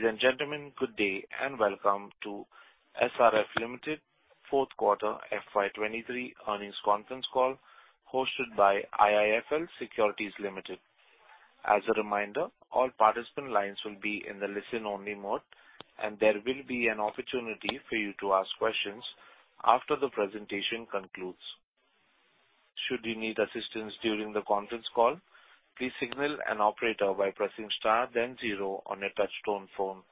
Ladies and gentlemen, good day and welcome to SRF Limited fourth quarter FY 2023 earnings conference call hosted by IIFL Securities Limited. As a reminder, all participant lines will be in the listen-only mode. There will be an opportunity for you to ask questions after the presentation concludes. Should you need assistance during the conference call, please signal an operator by pressing star then zero on your touch-tone phone.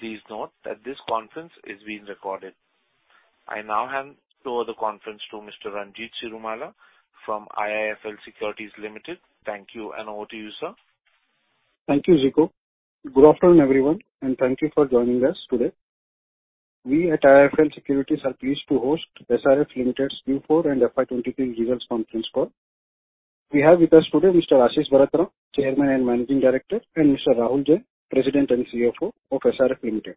Please note that this conference is being recorded. I now hand over the conference to Mr. Ranjit Cirumalla from IIFL Securities Limited. Thank you. Over to you, sir. Thank you, Zico. Good afternoon, everyone, and thank you for joining us today. We at IIFL Securities are pleased to host SRF Limited's Q4 and FY2023 results conference call. We have with us today Mr. Ashish Bharat Ram, Chairman and Managing Director, and Mr. Rahul Jain, President and CFO of SRF Limited.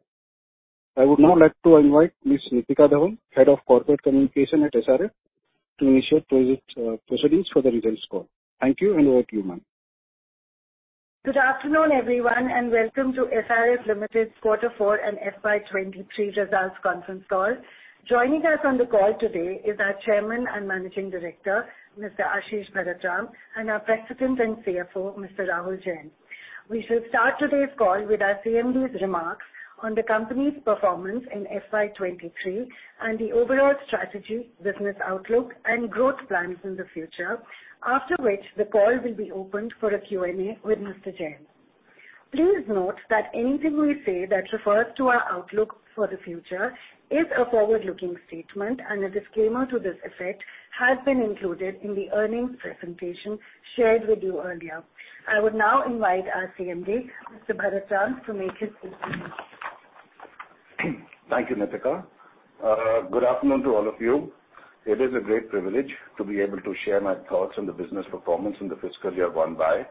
I would now like to invite Ms. Nitika Dhawan, Head of Corporate Communications at SRF, to initiate proceedings for the results call. Thank you, and over to you, ma'am. Good afternoon, everyone, and welcome to SRF Limited's Quarter four and FY 2023 results conference call. Joining us on the call today is our Chairman and Managing Director, Mr. Ashish Bharat Ram, and our President and CFO, Mr. Rahul Jain. We shall start today's call with our CMD's remarks on the company's performance in FY 2023 and the overall strategy, business outlook and growth plans in the future, after which the call will be opened for a Q&A with Mr. Jain. Please note that anything we say that refers to our outlook for the future is a forward-looking statement and a disclaimer to this effect has been included in the earnings presentation shared with you earlier. I would now invite our CMD, Mr. Bharat Ram, to make his presentation. Thank you, Nitika. Good afternoon to all of you. It is a great privilege to be able to share my thoughts on the business performance in the fiscal year gone by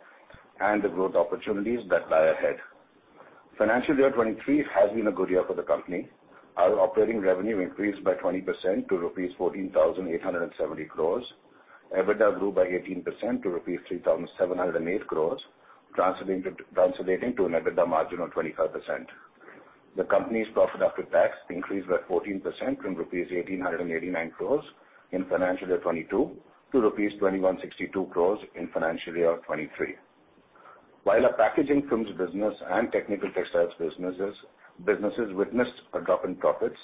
and the growth opportunities that lie ahead. Financial year 2023 has been a good year for the company. Our operating revenue increased by 20% to rupees 14,870 crores. EBITDA grew by 18% to rupees 3,708 crores, translating to an EBITDA margin of 25%. The company's profit after tax increased by 14% from rupees 1,889 crores in financial year 2022 to rupees 2,162 crores in financial year 2023. While our Packaging Films business and Technical Textiles businesses witnessed a drop in profits,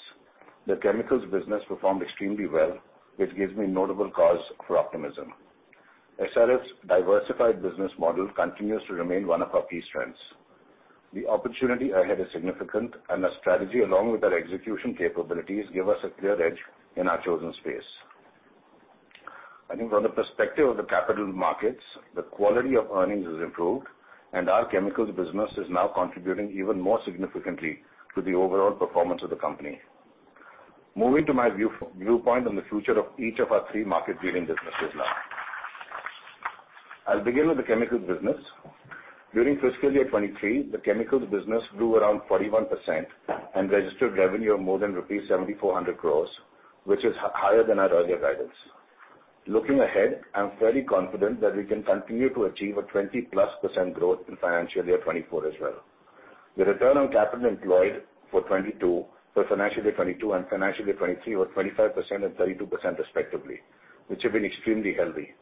the Chemicals business performed extremely well, which gives me notable cause for optimism. SRF's diversified business model continues to remain one of our key strengths. The opportunity ahead is significant, and our strategy along with our execution capabilities give us a clear edge in our chosen space. I think from the perspective of the capital markets, the quality of earnings has improved, and our Chemicals business is now contributing even more significantly to the overall performance of the company. Moving to my viewpoint on the future of each of our three market-leading businesses now. I'll begin with the Chemicals business. During fiscal year 2023, the Chemicals business grew around 41% and registered revenue of more than rupees 7,400 crores, which is higher than our earlier guidance. Looking ahead, I'm fairly confident that we can continue to achieve a 20%+ growth in financial year 2024 as well. The return on capital employed for financial year 2022 and financial year 2023 were 25% and 32% respectively, which have been extremely healthy.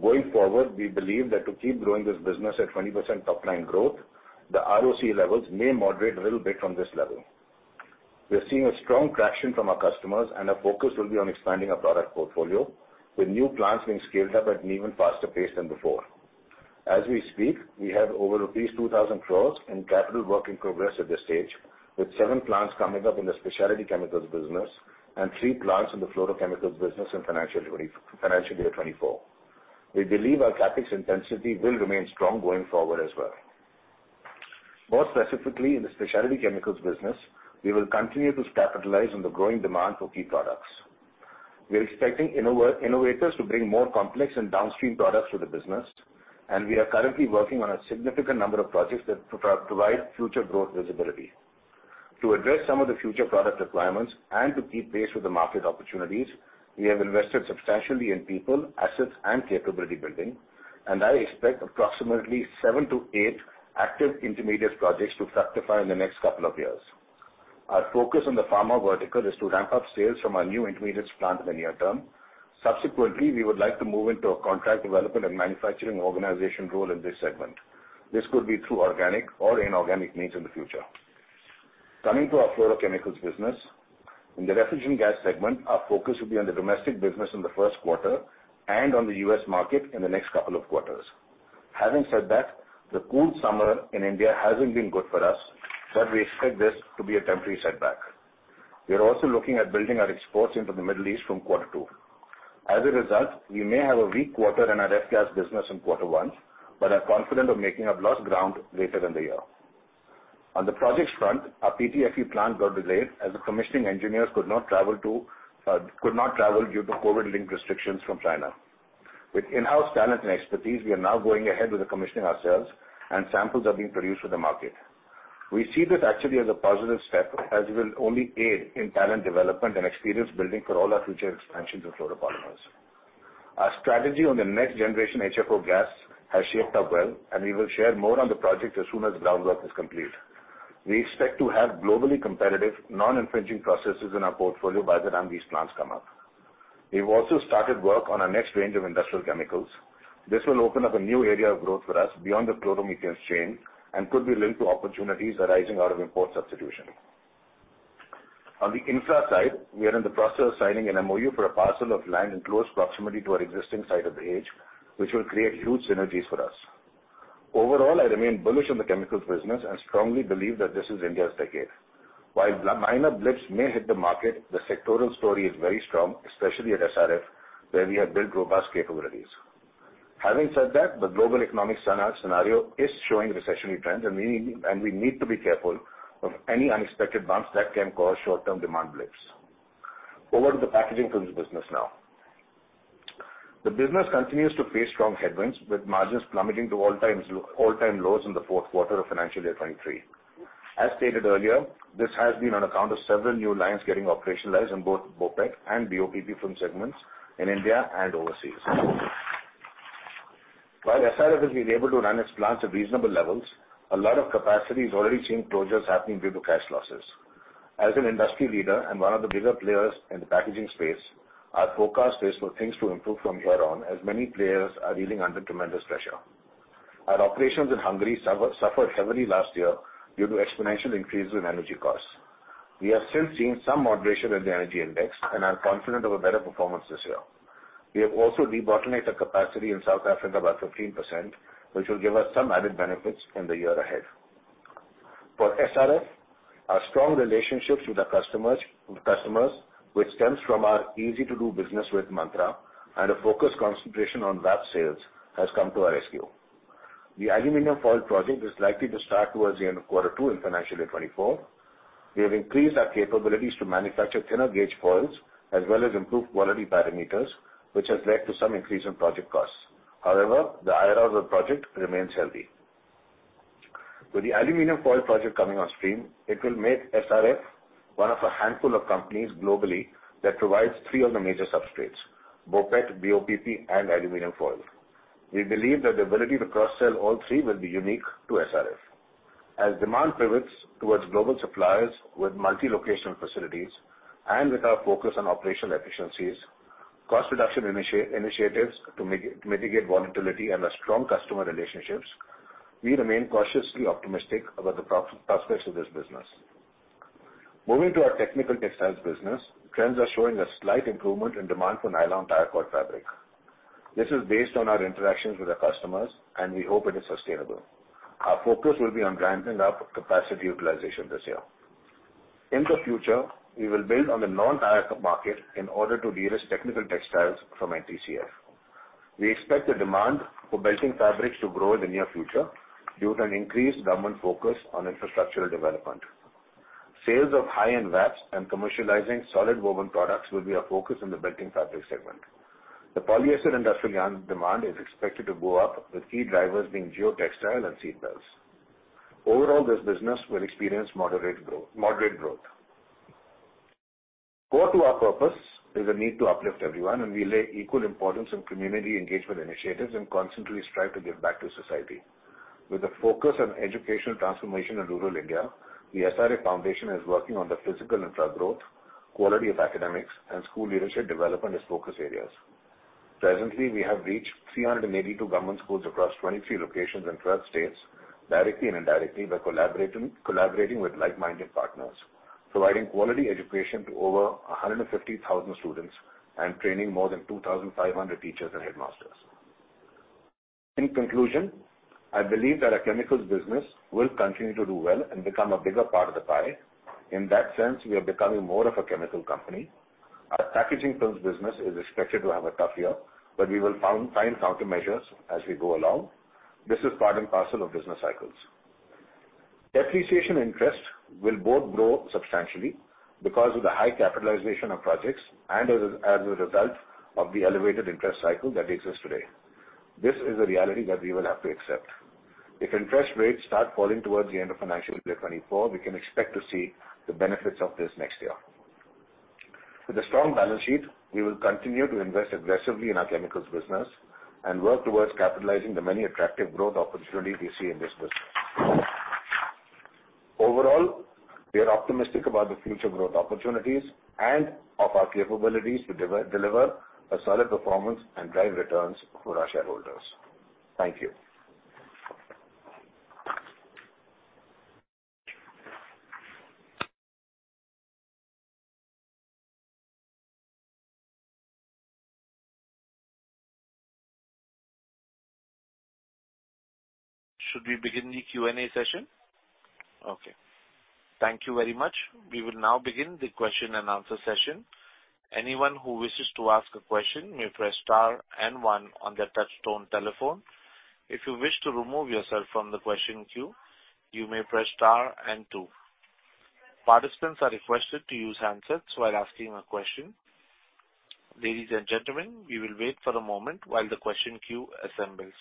Going forward, we believe that to keep growing this business at 20% top-line growth, the ROC levels may moderate a little bit from this level. We're seeing a strong traction from our customers, and our focus will be on expanding our product portfolio with new plants being scaled up at an even faster pace than before. As we speak, we have over 2,000 crores in capital work in progress at this stage, with seven plants coming up in the specialty Chemicals business and three plants in the Fluorochemicals business in financial year 2024. We believe our CapEx intensity will remain strong going forward as well. More specifically, in the specialty Chemicals business, we will continue to capitalize on the growing demand for key products. We're expecting innovators to bring more complex and downstream products to the business, and we are currently working on a significant number of projects that provide future growth visibility. To address some of the future product requirements and to keep pace with the market opportunities, we have invested substantially in people, assets and capability building, and I expect approximately seven to eight active intermediates projects to fructify in the next couple of years. Our focus on the pharma vertical is to ramp up sales from our new intermediates plant in the near term. Subsequently, we would like to move into a contract development and manufacturing organization role in this segment. This could be through organic or inorganic means in the future. Coming to our Fluorochemicals business. In the refrigerant gas segment, our focus will be on the domestic business in the first quarter and on the U.S. market in the next couple of quarters. The cool summer in India hasn't been good for us, but we expect this to be a temporary setback. We are also looking at building our exports into the Middle East from Q2. We may have a weak quarter in our refrigerant gas business in Q1, but are confident of making up lost ground later in the year. On the projects front, our PTFE plant got delayed as the commissioning engineers could not travel due to COVID-linked restrictions from China. With in-house talent and expertise, we are now going ahead with the commissioning ourselves and samples are being produced for the market. We see this actually as a positive step as it will only aid in talent development and experience building for all our future expansions in fluoropolymers. Our strategy on the next generation HFO gas has shaped up well, and we will share more on the project as soon as groundwork is complete. We expect to have globally competitive non-infringing processes in our portfolio by the time these plants come up. We've also started work on our next range of industrial chemicals. This will open up a new area of growth for us beyond the chloromethanes chain and could be linked to opportunities arising out of import substitution. On the infra side, we are in the process of signing an MoU for a parcel of land in close proximity to our existing site at Dahej, which will create huge synergies for us. Overall, I remain bullish on the Chemicals business and strongly believe that this is India's decade. While minor blips may hit the market, the sectoral story is very strong, especially at SRF, where we have built robust capabilities. Having said that, the global economic scenario is showing recessionary trends. We need to be careful of any unexpected bumps that can cause short-term demand blips. Over to the Packaging Films business now. The business continues to face strong headwinds, with margins plummeting to all-time lows in the fourth quarter of financial year 2023. As stated earlier, this has been on account of several new lines getting operationalized in both BOPET and BOPP film segments in India and overseas. While SRF has been able to run its plants at reasonable levels, a lot of capacity has already seen closures happening due to cash losses. As an industry leader and one of the bigger players in the packaging space, our forecast is for things to improve from here on, as many players are dealing under tremendous pressure. Our operations in Hungary suffered heavily last year due to exponential increases in energy costs. We have since seen some moderation in the energy index and are confident of a better performance this year. We have also debottlenecked the capacity in South Africa by 15%, which will give us some added benefits in the year ahead. For SRF, our strong relationships with our customers, which stems from our easy to do business with mantra and a focused concentration on VAP sales, has come to our rescue. The aluminium foil project is likely to start towards the end of Q2 in financial year 2024. We have increased our capabilities to manufacture thinner gauge foils as well as improved quality parameters, which has led to some increase in project costs. The IRR of the project remains healthy. With the aluminium foil project coming on stream, it will make SRF one of a handful of companies globally that provides three of the major substrates: BOPET, BOPP and aluminium foil. We believe that the ability to cross-sell all three will be unique to SRF. As demand pivots towards global suppliers with multi-location facilities and with our focus on operational efficiencies, cost reduction initiatives to mitigate volatility and our strong customer relationships, we remain cautiously optimistic about the prospects of this business. Moving to our Technical Textiles business, trends are showing a slight improvement in demand for Nylon Tyre Cord Fabric. This is based on our interactions with our customers, and we hope it is sustainable. Our focus will be on ramping up capacity utilization this year. In the future, we will build on the non-tire market in order to de-risk Technical Textiles business from NTCF. We expect the demand for belting fabrics to grow in the near future due to an increased government focus on infrastructural development. Sales of high-end VAPs and commercializing solid woven products will be our focus in the belting fabric segment. The polyester industrial yarn demand is expected to go up, with key drivers being geotextile and seat belts. Overall, this business will experience moderate growth. Core to our purpose is a need to uplift everyone, and we lay equal importance on community engagement initiatives and constantly strive to give back to society. With a focus on educational transformation in rural India, the SRF Foundation is working on the physical infrastructure growth, quality of academics, and school leadership development as focus areas. Presently, we have reached 382 government schools across 23 locations in 12 states, directly and indirectly by collaborating with like-minded partners. Providing quality education to over 150,000 students and training more than 2,500 teachers and headmasters. In conclusion, I believe that our Chemicals business will continue to do well and become a bigger part of the pie. In that sense, we are becoming more of a chemical company. Our Packaging Films business is expected to have a tough year, but we will find countermeasures as we go along. This is part and parcel of business cycles. Depreciation interest will both grow substantially because of the high capitalization of projects as a result of the elevated interest cycle that exists today. This is a reality that we will have to accept. If interest rates start falling towards the end of financial year 2024, we can expect to see the benefits of this next year. With a strong balance sheet, we will continue to invest aggressively in our Chemicals business and work towards capitalizing the many attractive growth opportunities we see in this business. Overall, we are optimistic about the future growth opportunities and of our capabilities to deliver a solid performance and drive returns for our shareholders. Thank you. Should we begin the Q&A session? Okay. Thank you very much. We will now begin the question-and answer-session. Anyone who wishes to ask a question may press star and one on their touch-tone telephone. If you wish to remove yourself from the question queue, you may press star and two. Participants are requested to use handsets while asking a question. Ladies and gentlemen, we will wait for a moment while the question queue assembles.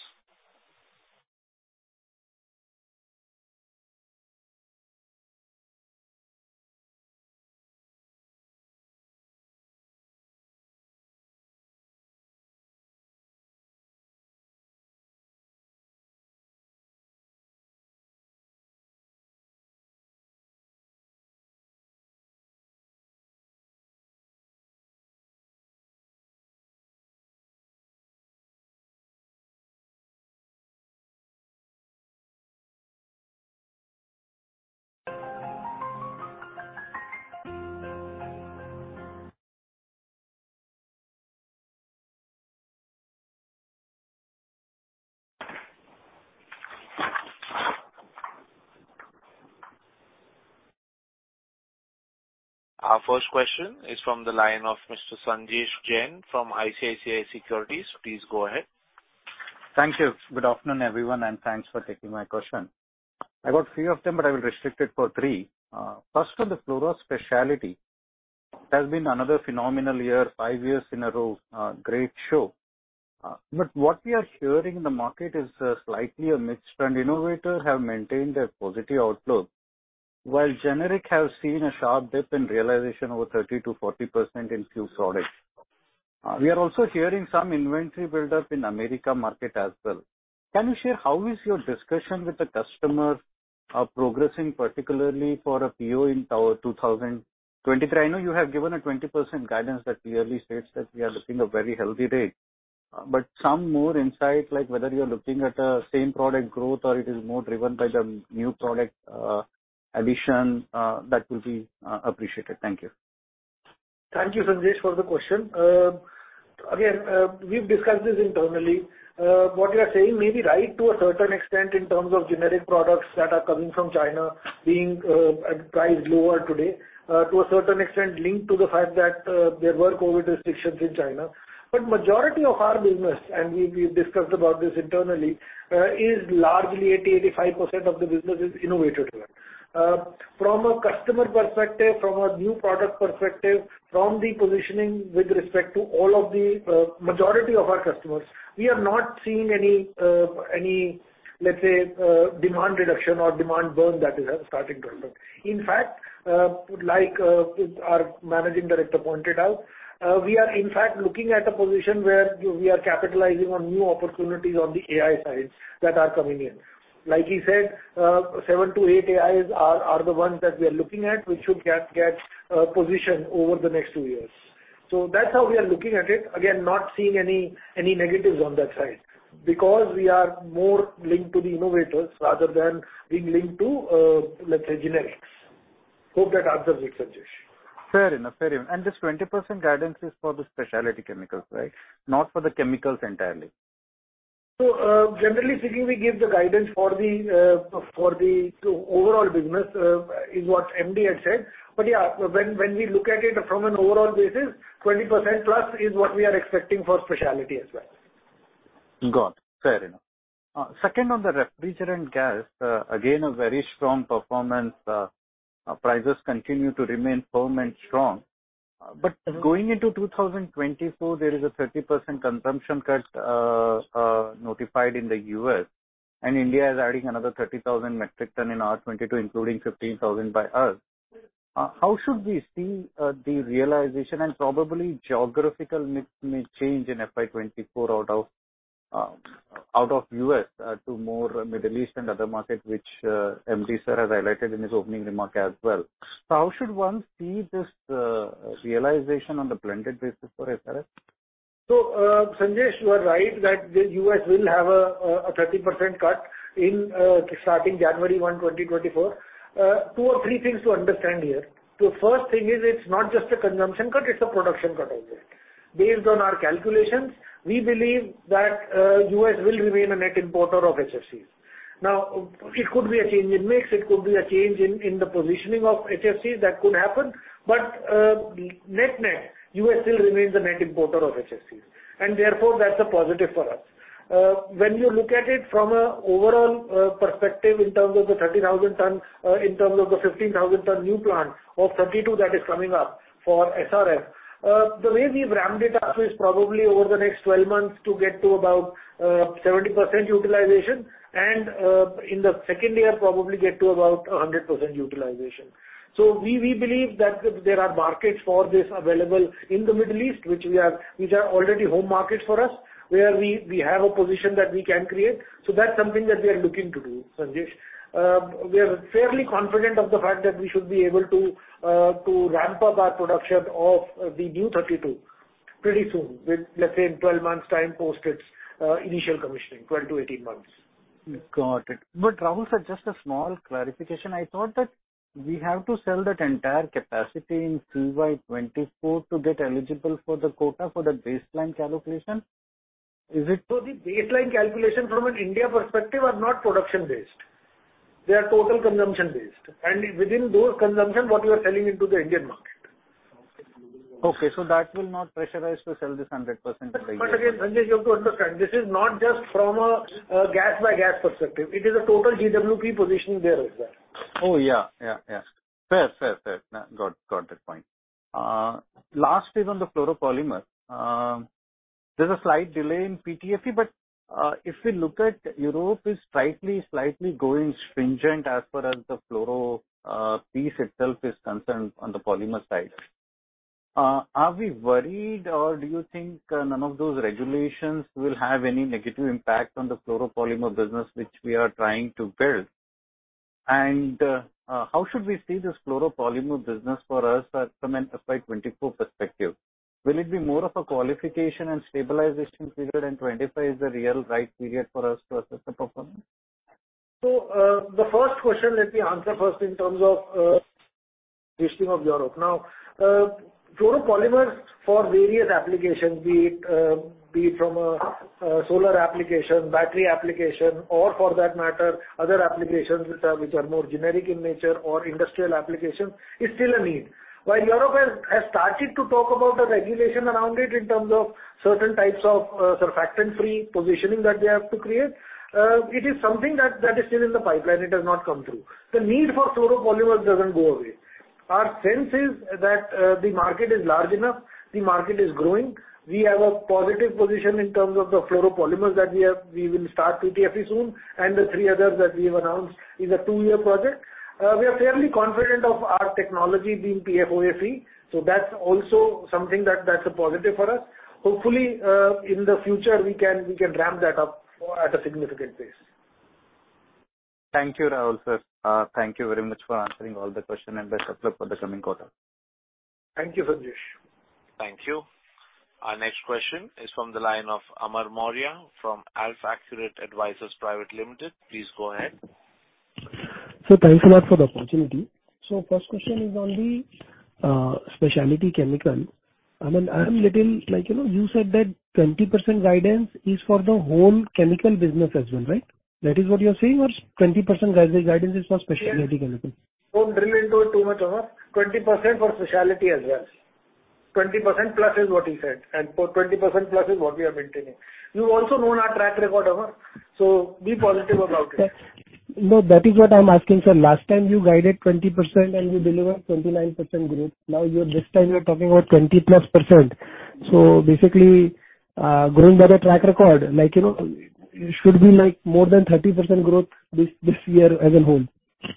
Our first question is from the line of Mr. Sanjesh Jain from ICICI Securities. Please go ahead. Thank you. Good afternoon, everyone, thanks for taking my question. I've got few of them, but I will restrict it for three. First one, the Fluoro and Specialty. It has been another phenomenal year, five years in a row, great show. What we are hearing in the market is, slightly a mixed trend. Innovators have maintained their positive outlook, while generic have seen a sharp dip in realization over 30%-40% in few products. We are also hearing some inventory build-up in America market as well. Can you share how is your discussion with the customers are progressing, particularly for a PO in 2023? I know you have given a 20% guidance that clearly states that we are looking a very healthy rate. Some more insight like whether you are looking at a same product growth or it is more driven by the new product addition that will be appreciated. Thank you. Thank you, Sanjesh, for the question. Again, we've discussed this internally. What you are saying may be right to a certain extent in terms of generic products that are coming from China being priced lower today, to a certain extent linked to the fact that there were COVID restrictions in China. Majority of our business, and we've discussed about this internally, is largely 80%-85% of the business is innovative. From a customer perspective, from a new product perspective, from the positioning with respect to all of the majority of our customers, we are not seeing any, let's say, demand reduction or demand burn that is starting to occur. In fact, like, our managing director pointed out, we are in fact looking at a position where we are capitalizing on new opportunities on the active ingredient sides that are coming in. Like he said, seven to eight AIs are the ones that we are looking at, which should get positioned over the next two years. That's how we are looking at it. Again, not seeing any negatives on that side because we are more linked to the innovators rather than being linked to, let's say generics. Hope that answers it, Sanjesh? Fair enough. Fair enough. This 20% guidance is for the Specialty Chemicals, right? Not for the Chemicals business entirely. Generally speaking, we give the guidance for the overall business is what MD had said. Yeah, when we look at it from an overall basis, 20%+ is what we are expecting for Specialty as well. Got it. Fair enough. Second on the refrigerant gas, again, a very strong performance. Prices continue to remain firm and strong. Going into 2024, there is a 30% consumption cut, notified in the U.S., and India is adding another 30,000 metric ton in R22 including 15,000 by us. How should we see the realization and probably geographical mix may change in FY 2024 out of out of U.S. to more Middle East and other market, which MD sir has highlighted in his opening remark as well. How should one see this realization on the blended basis for SRF? Sanjesh, you are right that the U.S. will have a 30% cut in starting January 1, 2024.. Two or three things to understand here. The first thing is it's not just a consumption cut, it's a production cut also. Based on our calculations, we believe that the U.S. will remain a net importer of HFCs. It could be a change in mix, it could be a change in the positioning of HFCs. That could happen. Net-net, the U.S. still remains a net importer of HFCs, and therefore, that's a positive for us. When you look at it from a overall perspective in terms of the 30,000 ton, in terms of the 15,000 ton new plant of R-32 that is coming up for SRF, the way we've ramped it up is probably over the next 12 months to get to about 70% utilization and in the second year, probably get to about 100% utilization. We believe that there are markets for this available in the Middle East, which are already home markets for us, where we have a position that we can create. That's something that we are looking to do, Sanjesh. We are fairly confident of the fact that we should be able to ramp up our production of the new R-32 pretty soon with, let's say, in 12 months time post its initial commissioning, 12-18 months. Got it. Rahul, sir, just a small clarification. I thought that we have to sell that entire capacity in FY 2024 to get eligible for the quota for the baseline calculation. Is it? The baseline calculation from an India perspective are not production based. They are total consumption based. Within those consumption, what you are selling into the Indian market. Okay. That will not pressurize to sell this 100%- Again, Sanjesh, you have to understand, this is not just from a gas by gas perspective. It is a total GWP positioning there as well. Oh, yeah. Yeah. Yeah. Fair. Fair. Fair. Got that point. Last is on the fluoropolymer. There's a slight delay in PTFE, but if we look at Europe is slightly going stringent as far as the fluoro piece itself is concerned on the polymer side. Are we worried or do you think none of those regulations will have any negative impact on the fluoropolymer business which we are trying to build? How should we see this fluoropolymer business for us from an FY 2024 perspective? Will it be more of a qualification and stabilization period, and 2025 is the real right period for us to assess the performance? The first question, let me answer first in terms of listing of Europe. Now, fluoropolymers for various applications, be it from a solar application, battery application, or for that matter, other applications which are more generic in nature or industrial application, is still a need. While Europe has started to talk about the regulation around it in terms of certain types of surfactant-free positioning that they have to create, it is something that is still in the pipeline. It has not come through. The need for fluoropolymers doesn't go away. Our sense is that the market is large enough, the market is growing. We have a positive position in terms of the fluoropolymers that we have. We will start PTFE soon, and the three others that we have announced is a two-year project. We are fairly confident of our technology being PFOA-free. That's also something that's a positive for us. Hopefully, in the future, we can ramp that up at a significant pace. Thank you, Rahul Sir. Thank you very much for answering all the questions and best of luck for the coming quarter. Thank you, Sanjesh. Thank you. Our next question is from the line of Amar Maurya from AlfAccurate Advisors Private Limited. Please go ahead. Sir, thanks a lot for the opportunity. First question is on the Specialty Chemicals. I mean, you know, you said that 20% guidance is for the whole Chemicals business as well, right? That is what you're saying, or 20% guidance is for Specialty Chemicals? Don't drill into it too much, Amar. 20% for Specialty as well. 20%+ is what he said, and for 20%+ is what we are maintaining. You also know our track record, Amar, so be positive about it. No, that is what I'm asking, sir. Last time you guided 20% and you delivered 29% growth. Now this time you're talking about 20%+. Basically, going by the track record, like, you know, it should be like more than 30% growth this year as a whole.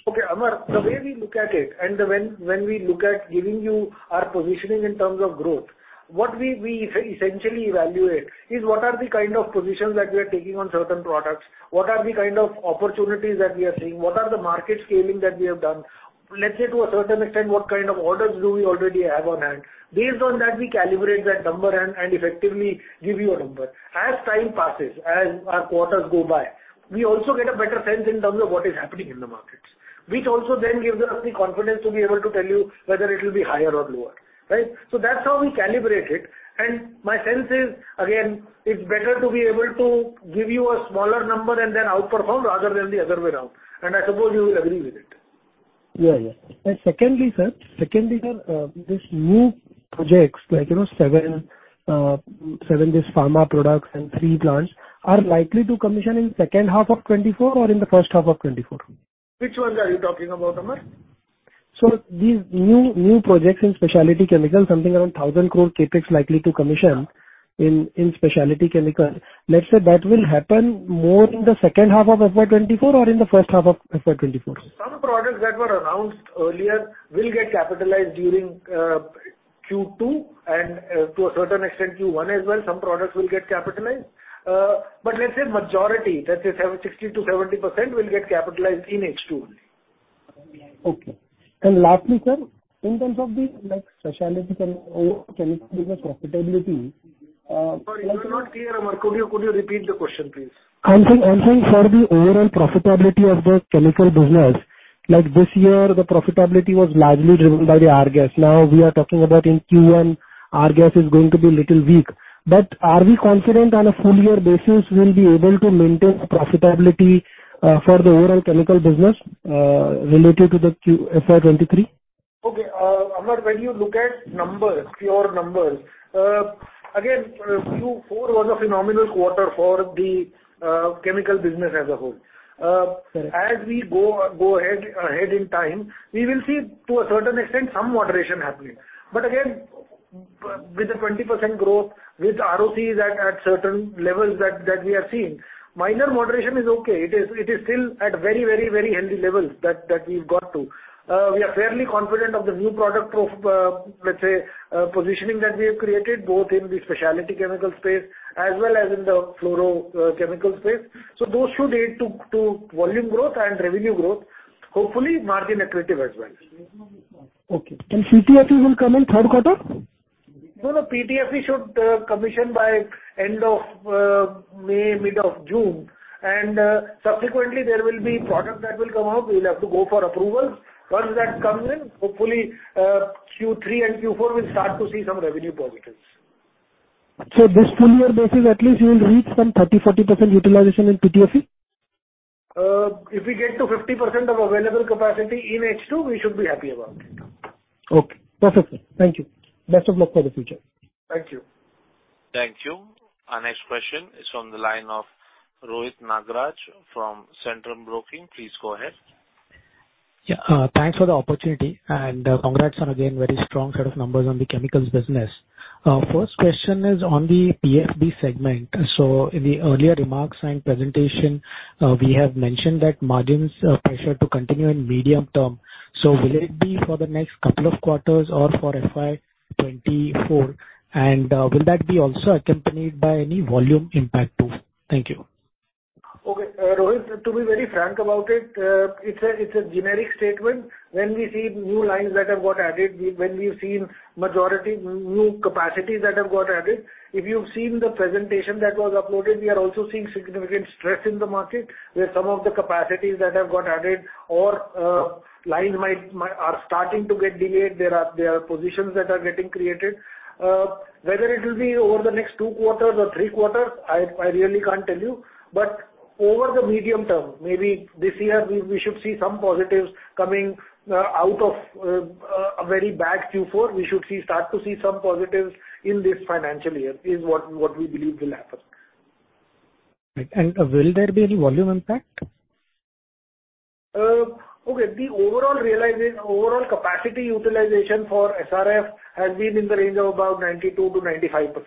Okay, Amar, the way we look at it, when we look at giving you our positioning in terms of growth, what we essentially evaluate is what are the kind of positions that we are taking on certain products. What are the kind of opportunities that we are seeing? What are the market scaling that we have done? Let's say to a certain extent, what kind of orders do we already have on hand? Based on that, we calibrate that number and effectively give you a number. As time passes, as our quarters go by, we also get a better sense in terms of what is happening in the markets, which also then gives us the confidence to be able to tell you whether it will be higher or lower, right? That's how we calibrate it. My sense is, again, it's better to be able to give you a smaller number and then outperform rather than the other way around. I suppose you will agree with it. Secondly, sir, these new projects like, you know, seven these pharma products and three plants are likely to commission in second half of 2024 or in the first half of 2024? Which ones are you talking about, Amar? These new projects in Specialty Chemicals, something around 1,000 crore CapEx likely to commission in Specialty Chemicals. Let's say that will happen more in the second half of FY 2024 or in the first half of FY 2024? Some products that were announced earlier will get capitalized during Q2 and to a certain extent Q1 as well. Some products will get capitalized. Let's say majority, let's say 60%-70% will get capitalized in H2 only. Okay. Lastly, sir, in terms of the, like, Specialty Chemicals, overall Chemicals business profitability? Sorry, it was not clear, Amar. Could you repeat the question, please? I'm saying for the overall profitability of the Chemicals business, like this year, the profitability was largely driven by the refrigerant gas. Now we are talking about in Q1, refrigerant gas is going to be little weak. Are we confident on a full year basis we'll be able to maintain profitability for the overall Chemicals business related to the FY 2023? Okay. Amar, when you look at numbers, pure numbers, again, Q4 was a phenomenal quarter for the Chemicals business as a whole. Right. As we go ahead in time, we will see to a certain extent some moderation happening. Again, with a 20% growth, with ROCE at certain levels that we are seeing, minor moderation is okay. It is still at very healthy levels that we've got to. We are fairly confident of the new product positioning that we have created, both in the specialty chemicals space as well as in the fluorochemicals space. Those should aid to volume growth and revenue growth. Hopefully, margin accretive as well. Okay. PTFE will come in third quarter? No, no. PTFE should commission by end of May, mid of June. Subsequently, there will be product that will come out. We'll have to go for approvals. Once that comes in, hopefully, Q3 and Q4 will start to see some revenue positives. This full year basis, at least you will reach some 30%-40% utilization in PTFE? If we get to 50% of available capacity in H2, we should be happy about it. Okay. Perfect, sir. Thank you. Best of luck for the future. Thank you. Thank you. Our next question is from the line of Rohit Nagraj from Centrum Broking. Please go ahead. Yeah. Thanks for the opportunity and congrats on, again, very strong set of numbers on the Chemicals business. First question is on the PFB segment. In the earlier remarks and presentation, we have mentioned that margins are pressure to continue in medium term. Will it be for the next couple of quarters or for FY24? Will that be also accompanied by any volume impact too? Thank you. Okay. Rohit, to be very frank about it's a generic statement. When we see new lines that have got added, when we've seen majority new capacities that have got added. If you've seen the presentation that was uploaded, we are also seeing significant stress in the market, where some of the capacities that have got added or lines might are starting to get delayed. There are positions that are getting created. Whether it will be over the next 2 quarters or 3 quarters, I really can't tell you. Over the medium term, maybe this year we should see some positives coming out of a very bad Q4. We should start to see some positives in this financial year, is what we believe will happen. Right. Will there be any volume impact? Okay. The overall realization, overall capacity utilization for SRF has been in the range of about 92%-95%. Right?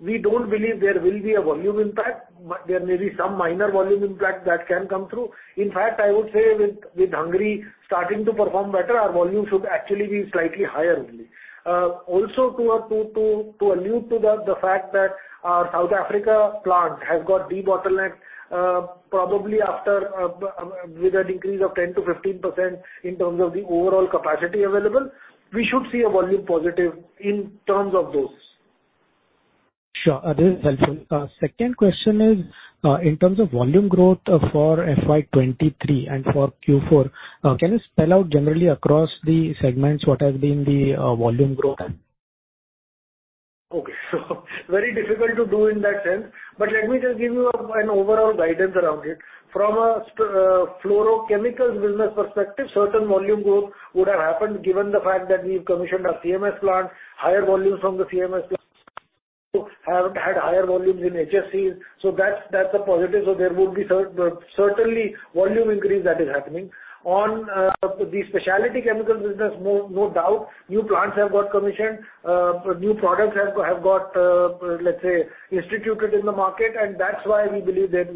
We don't believe there will be a volume impact. There may be some minor volume impact that can come through. In fact, I would say with Hungary starting to perform better, our volume should actually be slightly higher only. Also to allude to the fact that our South Africa plant has got debottlenecked, probably after with a decrease of 10%-15% in terms of the overall capacity available. We should see a volume positive in terms of those. Sure. This is helpful. Second question is, in terms of volume growth for FY 2023 and for Q4, can you spell out generally across the segments what has been the volume growth? Okay. Very difficult to do in that sense, but let me just give you an overall guidance around it. From a Fluorochemicals business perspective, certain volume growth would have happened given the fact that we've commissioned our chloromethanes plant, higher volumes from the chloromethanes plant. Have had higher volumes in HFC, so that's a positive. There would be certainly volume increase that is happening. On the Specialty Chemicals business, no doubt, new plants have got commissioned. New products have got, let's say, instituted in the market and that's why we believe there...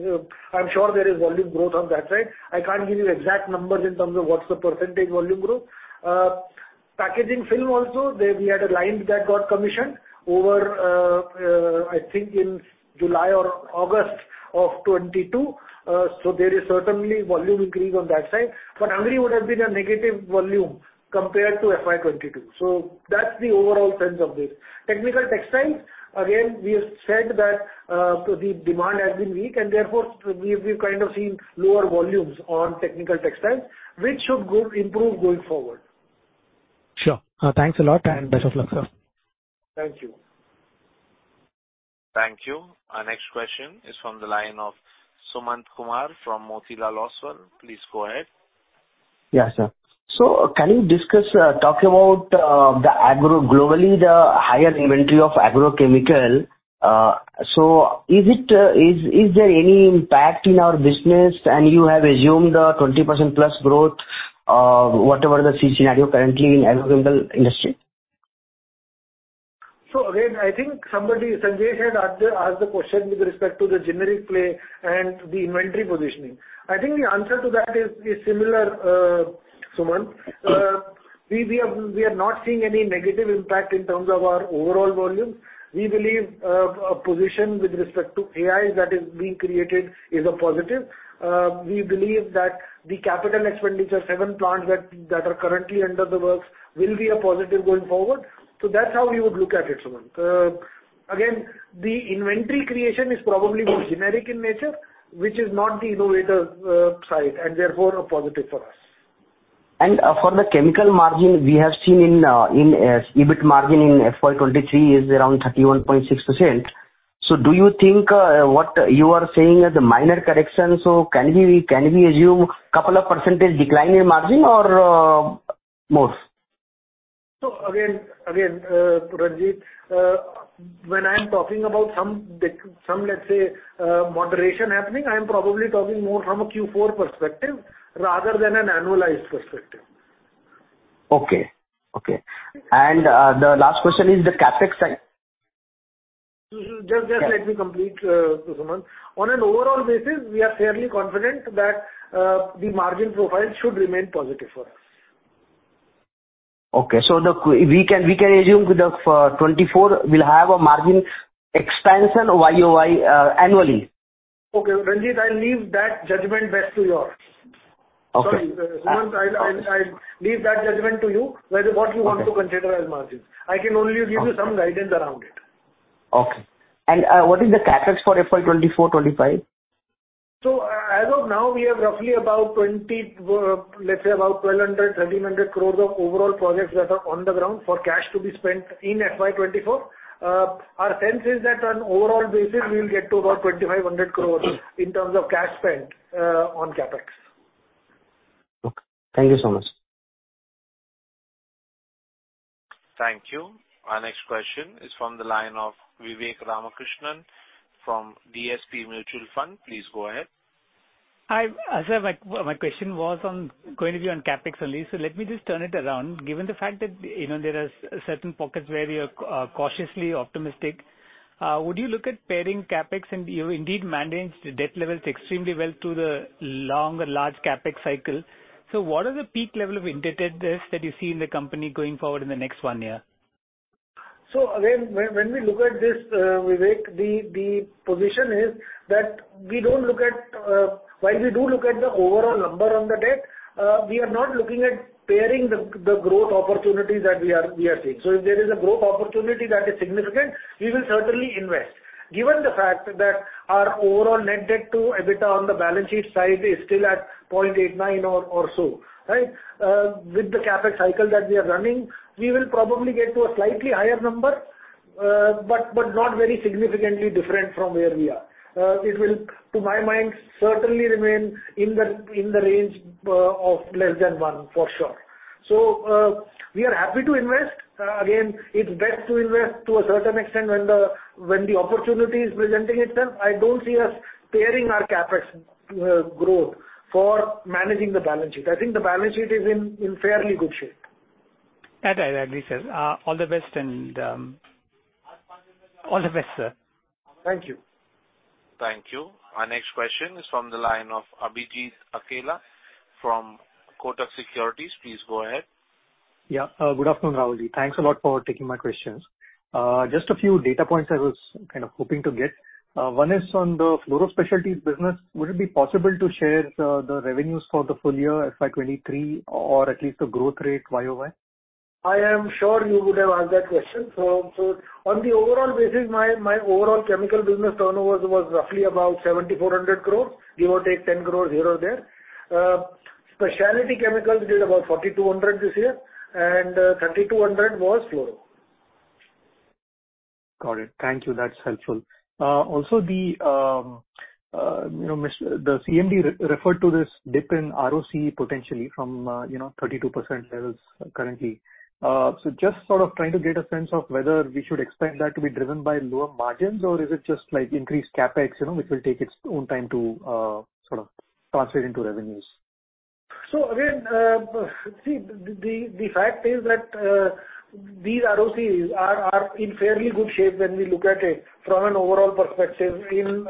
I'm sure there is volume growth on that side. I can't give you exact numbers in terms of what's the % volume growth. Packaging film also, there we had a line that got commissioned over, I think in July or August of 2022. There is certainly volume increase on that side. Hungary would have been a negative volume compared to FY 2022. That's the overall sense of this. Technical Textiles, again, we have said that the demand has been weak and therefore we've kind of seen lower volumes on Technical Textiles, which should go improve going forward. Sure. Thanks a lot and best of luck, sir. Thank you. Thank you. Our next question is from the line of Sumant Kumar from Motilal Oswal. Please go ahead. Yes, sir. Can you discuss, talking about the agro globally, the higher inventory of agrochemical. Is there any impact in our business and you have assumed a 20%+ growth of whatever the scenario currently in agrochemical industry? Again, I think somebody, Sanjesh had asked the question with respect to the generic play and the inventory positioning. I think the answer to that is similar, Sumant. We are not seeing any negative impact in terms of our overall volume. We believe a position with respect to AIs that is being created is a positive. We believe that the capital expenditure, seven plants that are currently under the works will be a positive going forward. That's how we would look at it, Sumant. Again, the inventory creation is probably more generic in nature, which is not the innovator side and therefore a positive for us. For the Chemicals margin, we have seen EBIT margin in FY 2023 is around 31.6%. Do you think what you are saying is a minor correction? Can we assume couple of percentage decline in margin or more? Again, again, Sumant, when I'm talking about some, let's say, moderation happening, I am probably talking more from a Q4 perspective rather than an annualized perspective. Okay. Okay. The last question is the CapEx side- Just let me complete, Sumant. On an overall basis, we are fairly confident that the margin profile should remain positive for us. Okay. We can assume 2024 will have a margin expansion YoY annually? Okay. Sumant, I'll leave that judgment best to yours. Okay. Sorry. Sumant, I'll leave that judgment to you whether what you want to consider as margins. I can only give you some guidance around it. Okay. What is the CapEx for FY 2024-2025? As of now, we have roughly about 1,200 crores-1,300 crores of overall projects that are on the ground for cash to be spent in FY 2024. Our sense is that on overall basis, we will get to about 2,500 crores in terms of cash spent on CapEx. Okay. Thank you so much. Thank you. Our next question is from the line of Vivek Ramakrishnan from DSP Mutual Fund. Please go ahead. Hi. As I was, my question was on going to be on CapEx only. Let me just turn it around. Given the fact that, you know, there are certain pockets where we are cautiously optimistic, would you look at pairing CapEx and you indeed managed the debt levels extremely well through the long and large CapEx cycle. What are the peak level of indebted debt that you see in the company going forward in the next one year? Again, when we look at this, Vivek, the position is that we don't look at, while we do look at the overall number on the debt, we are not looking at pairing the growth opportunities that we are seeing. If there is a growth opportunity that is significant, we will certainly invest. Given the fact that our overall net debt to EBITDA on the balance sheet side is still at 0.89 or so, right? With the CapEx cycle that we are running, we will probably get to a slightly higher number, but not very significantly different from where we are. It will, to my mind, certainly remain in the range of less than one for sure. We are happy to invest. Again, it's best to invest to a certain extent when the opportunity is presenting itself. I don't see us pairing our CapEx growth for managing the balance sheet. I think the balance sheet is in fairly good shape. That I agree, sir. All the best and all the best, sir. Thank you. Thank you. Our next question is from the line of Abhijit Akella from Kotak Securities. Please go ahead. Good afternoon, Rahul. Thanks a lot for taking my questions. Just a few data points I was kind of hoping to get. One is on the Fluoro and Specialty business. Would it be possible to share the revenues for the full year FY 2023 or at least the growth rate YoY? I am sure you would have asked that question. On the overall basis, my overall Chemicals business turnovers was roughly about 7,400 crores, give or take 10 crores here or there. Specialty Chemicals did about 4,200 crores this year, 3,200 crores was Fluorochemicals business. Got it. Thank you. That's helpful. Also, you know, the CMD re-referred to this dip in ROC potentially from, you know, 32% levels currently. Just sort of trying to get a sense of whether we should expect that to be driven by lower margins or is it just like increased CapEx, you know, which will take its own time to sort of translate into revenues. Again, see, the fact is that these ROCs are in fairly good shape when we look at it from an overall perspective in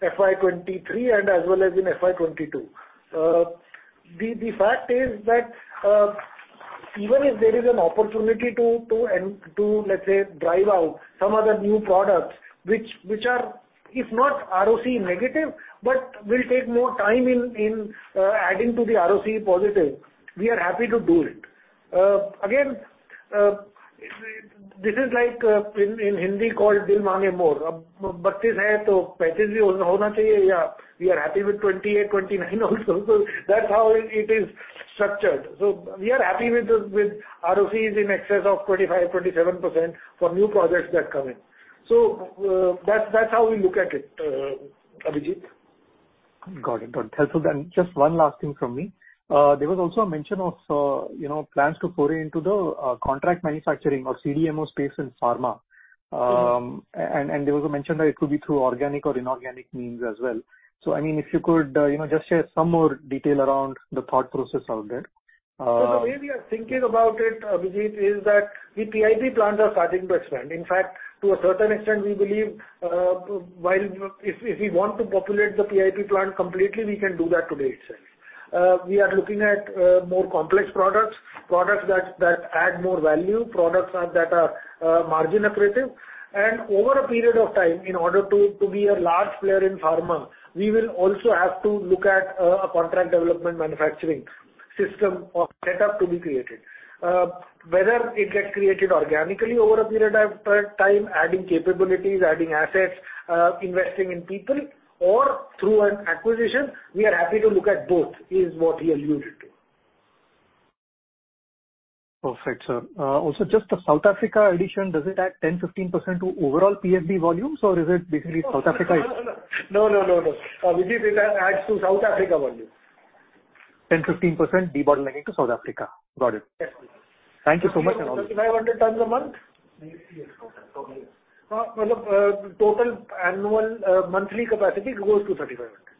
FY 2023 and as well as in FY 2022. The fact is that even if there is an opportunity to drive out some other new products which are, if not ROC negative, but will take more time in adding to the ROC positive, we are happy to do it. Again, this is like in Hindi called 'dil maange more'... Ab 32% hai toh 25% bhi hona chahiye ya? We are happy with 28%-29% also. That's how it is structured. We are happy with ROCs in excess of 25%-27% for new projects that come in. That's, that's how we look at it, Abhijit. Got it. Got it. Helpful. Just one last thing from me. There was also a mention of, you know, plans to foray into the contract manufacturing or CDMO space in pharma. And there was a mention that it could be through organic or inorganic means as well. I mean, if you could, you know, just share some more detail around the thought process out there. The way we are thinking about it, Abhijit, is that the PIP plants are starting to expand. In fact, to a certain extent, we believe, while if we want to populate the PIP plant completely, we can do that today itself. We are looking at, more complex products that add more value, products that are, margin accretive. Over a period of time, in order to be a large player in pharma, we will also have to look at, a contract development manufacturing system or setup to be created. Whether it gets created organically over a period of time, adding capabilities, adding assets, investing in people or through an acquisition, we are happy to look at both, is what he alluded to. Perfect, sir. Also just the South Africa addition, does it add 10%-15% to overall PFB volumes or is it basically- No, no, no, Abhijit, it adds to South Africa volume. 10%-15% debottlenecking to South Africa? Got it. Yes. Thank you so much. 3,500 tons a month? Yes, sir. Total monthly capacity goes to 3,500 tons.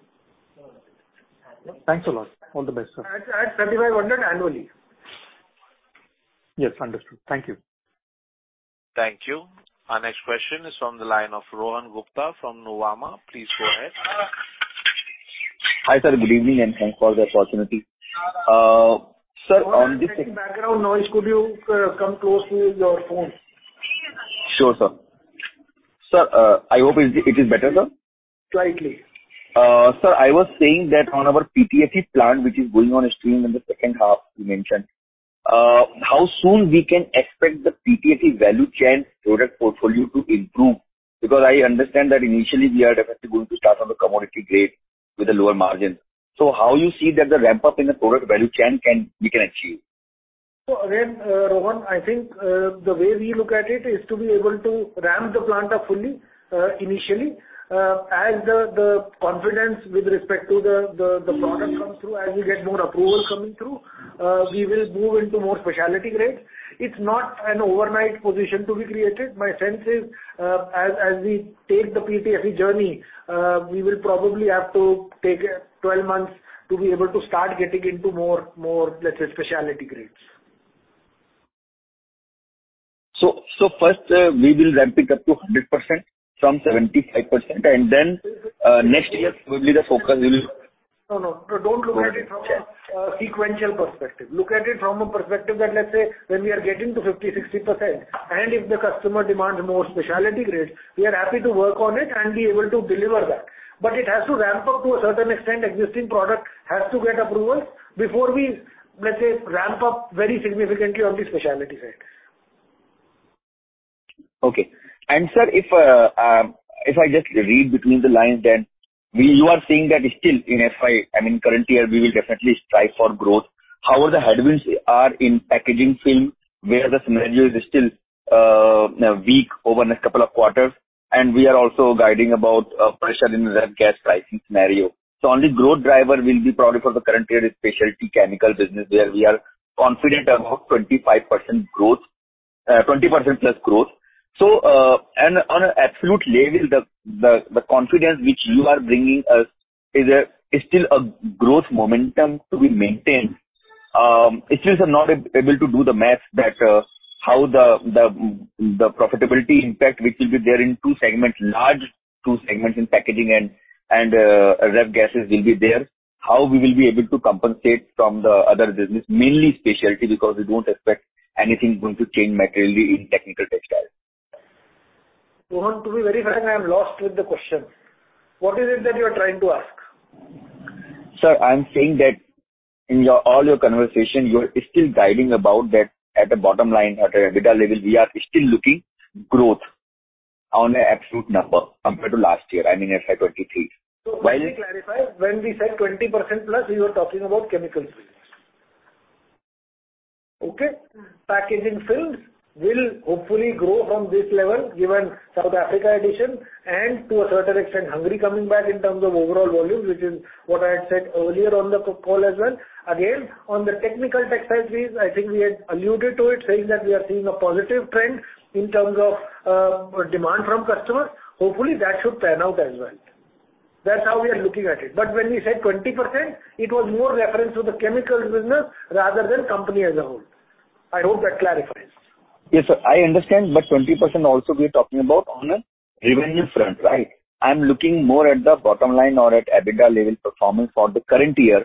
Got it. Thanks a lot. All the best, sir. Sorry, at 3,500 tons annually. Yes, understood. Thank you. Thank you. Our next question is from the line of Rohan Gupta from Nuvama. Please go ahead. Hi, sir. Good evening and thanks for the opportunity. Rohan, there's background noise. Could you come close to your phone? Sure, sir. Sir, I hope it is better, sir. Slightly. Sir, I was saying that on our PTFE plant which is going on stream in the second half you mentioned, how soon we can expect the PTFE value chain product portfolio to improve? I understand that initially we are definitely going to start on the commodity grade with a lower margin. How you see that the ramp-up in the product value chain we can achieve? Again, Rohan, I think, the way we look at it is to be able to ramp the plant up fully, initially. As the confidence with respect to the product comes through, as we get more approval coming through, we will move into more specialty grades. It's not an overnight position to be created. My sense is, as we take the PTFE journey, we will probably have to take 12 months to be able to start getting into more, let's say, specialty grades. First, we will ramp it up to 100% from 75%. Next year will be the focus. No, no. Don't look at it from a sequential perspective. Look at it from a perspective that let's say when we are getting to 50%-60%, and if the customer demands more specialty grades, we are happy to work on it and be able to deliver that. It has to ramp up to a certain extent, existing product has to get approvals before we, let's say, ramp up very significantly on the specialty side. Okay. Sir, if I just read between the lines then, you are saying that still in FY, I mean, current year, we will definitely strive for growth. However, the headwinds are in packaging film where the scenario is still weak over next couple of quarters, and we are also guiding about pressure in the refrigerant gas pricing scenario. Only growth driver will be probably for the current year is Specialty Chemicals business, where we are confident about 25% growth, 20%+ growth. And on an absolute level, the confidence which you are bringing us is still a growth momentum to be maintained. It's just I'm not able to do the math that, how the profitability impact which will be there in two segments, large two segments in Packaging and refrigerant gas will be there. How we will be able to compensate from the other business, mainly Specialty, because we don't expect anything going to change materially in Technical Textiles? Rohan, to be very frank, I'm lost with the question. What is it that you're trying to ask? Sir, I'm saying that in your all your conversation, you're still guiding about that at the bottom line, at a EBITDA level, we are still looking growth on a absolute number compared to last year, I mean, FY 2023. Let me clarify. When we said 20%+, we were talking about Chemicals business. Okay? Packaging Films will hopefully grow from this level given South Africa addition and to a certain extent, Hungary coming back in terms of overall volume, which is what I had said earlier on the call as well. On the Technical Textiles business, I think we had alluded to it saying that we are seeing a positive trend in terms of demand from customers. Hopefully, that should pan out as well. That's how we are looking at it. When we said 20%, it was more reference to the Chemicals business rather than company as a whole. I hope that clarifies. Yes, sir, I understand, 20% also we're talking about on a revenue front, right? I'm looking more at the bottom line or at EBITDA level performance for the current year.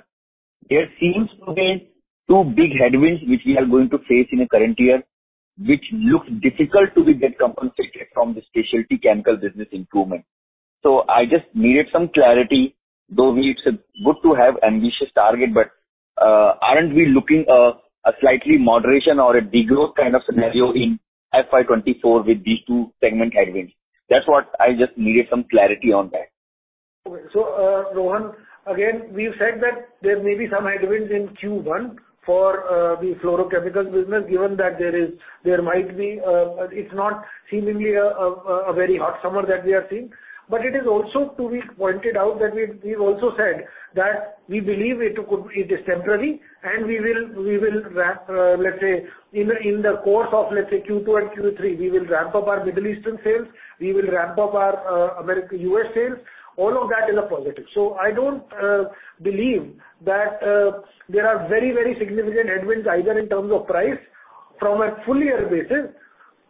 There seems to be two big headwinds which we are going to face in the current year, which looks difficult to be get compensated from the Specialty Chemicals business improvement. I just needed some clarity, though we it's good to have ambitious target, aren't we looking a slightly moderation or a degrowth kind of scenario in FY 2024 with these two segment headwinds? That's what I just needed some clarity on that. Rohan, again, we've said that there may be some headwinds in Q1 for the Fluorochemicals business, given that there might be, it's not seemingly a very hot summer that we are seeing. It is also to be pointed out that we've also said that we believe it is temporary, and we will ramp, let's say in the course of Q2 and Q3, we will ramp up our Middle Eastern sales. We will ramp up our America, U.S. sales. All of that is a positive. I don't believe that there are very significant headwinds either in terms of price. From a full year basis,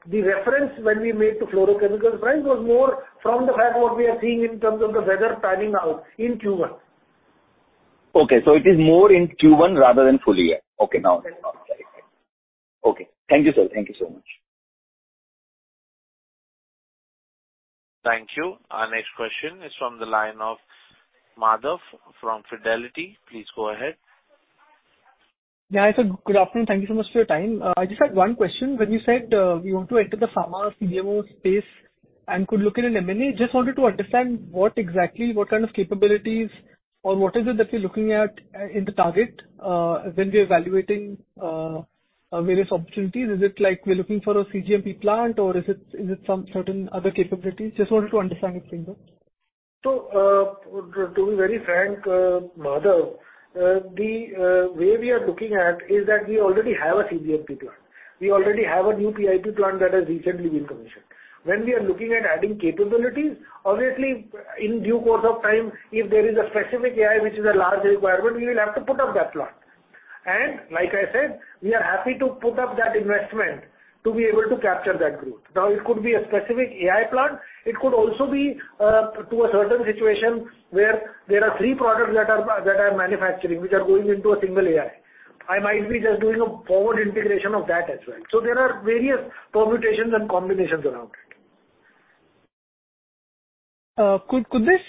the reference when we made to Fluorochemicals price was more from the fact what we are seeing in terms of the weather panning out in Q1. Okay. It is more in Q1 rather than full year. Okay, now it's clear. Okay. Thank you, sir. Thank you so much. Thank you. Our next question is from the line of Madhav Marda from Fidelity. Please go ahead. Yeah. Good afternoon. Thank you so much for your time. I just had one question. When you said, we want to enter the pharma CDMO space and could look at an M&A, just wanted to understand what exactly, what kind of capabilities or what is it that you're looking at in the target when we're evaluating various opportunities? Is it like we're looking for a cGMP plant or is it some certain other capabilities? Just wanted to understand it further. To be very frank, Madhav, the way we are looking at is that we already have a cGMP plant. We already have a new PIP plant that has recently been commissioned. When we are looking at adding capabilities, obviously in due course of time, if there is a specific AI which is a large requirement, we will have to put up that plant. Like I said, we are happy to put up that investment to be able to capture that growth. Now, it could be a specific AI plant. It could also be to a certain situation where there are three products that are, that I'm manufacturing, which are going into a single AI. I might be just doing a forward integration of that as well. There are various permutations and combinations around it. Could this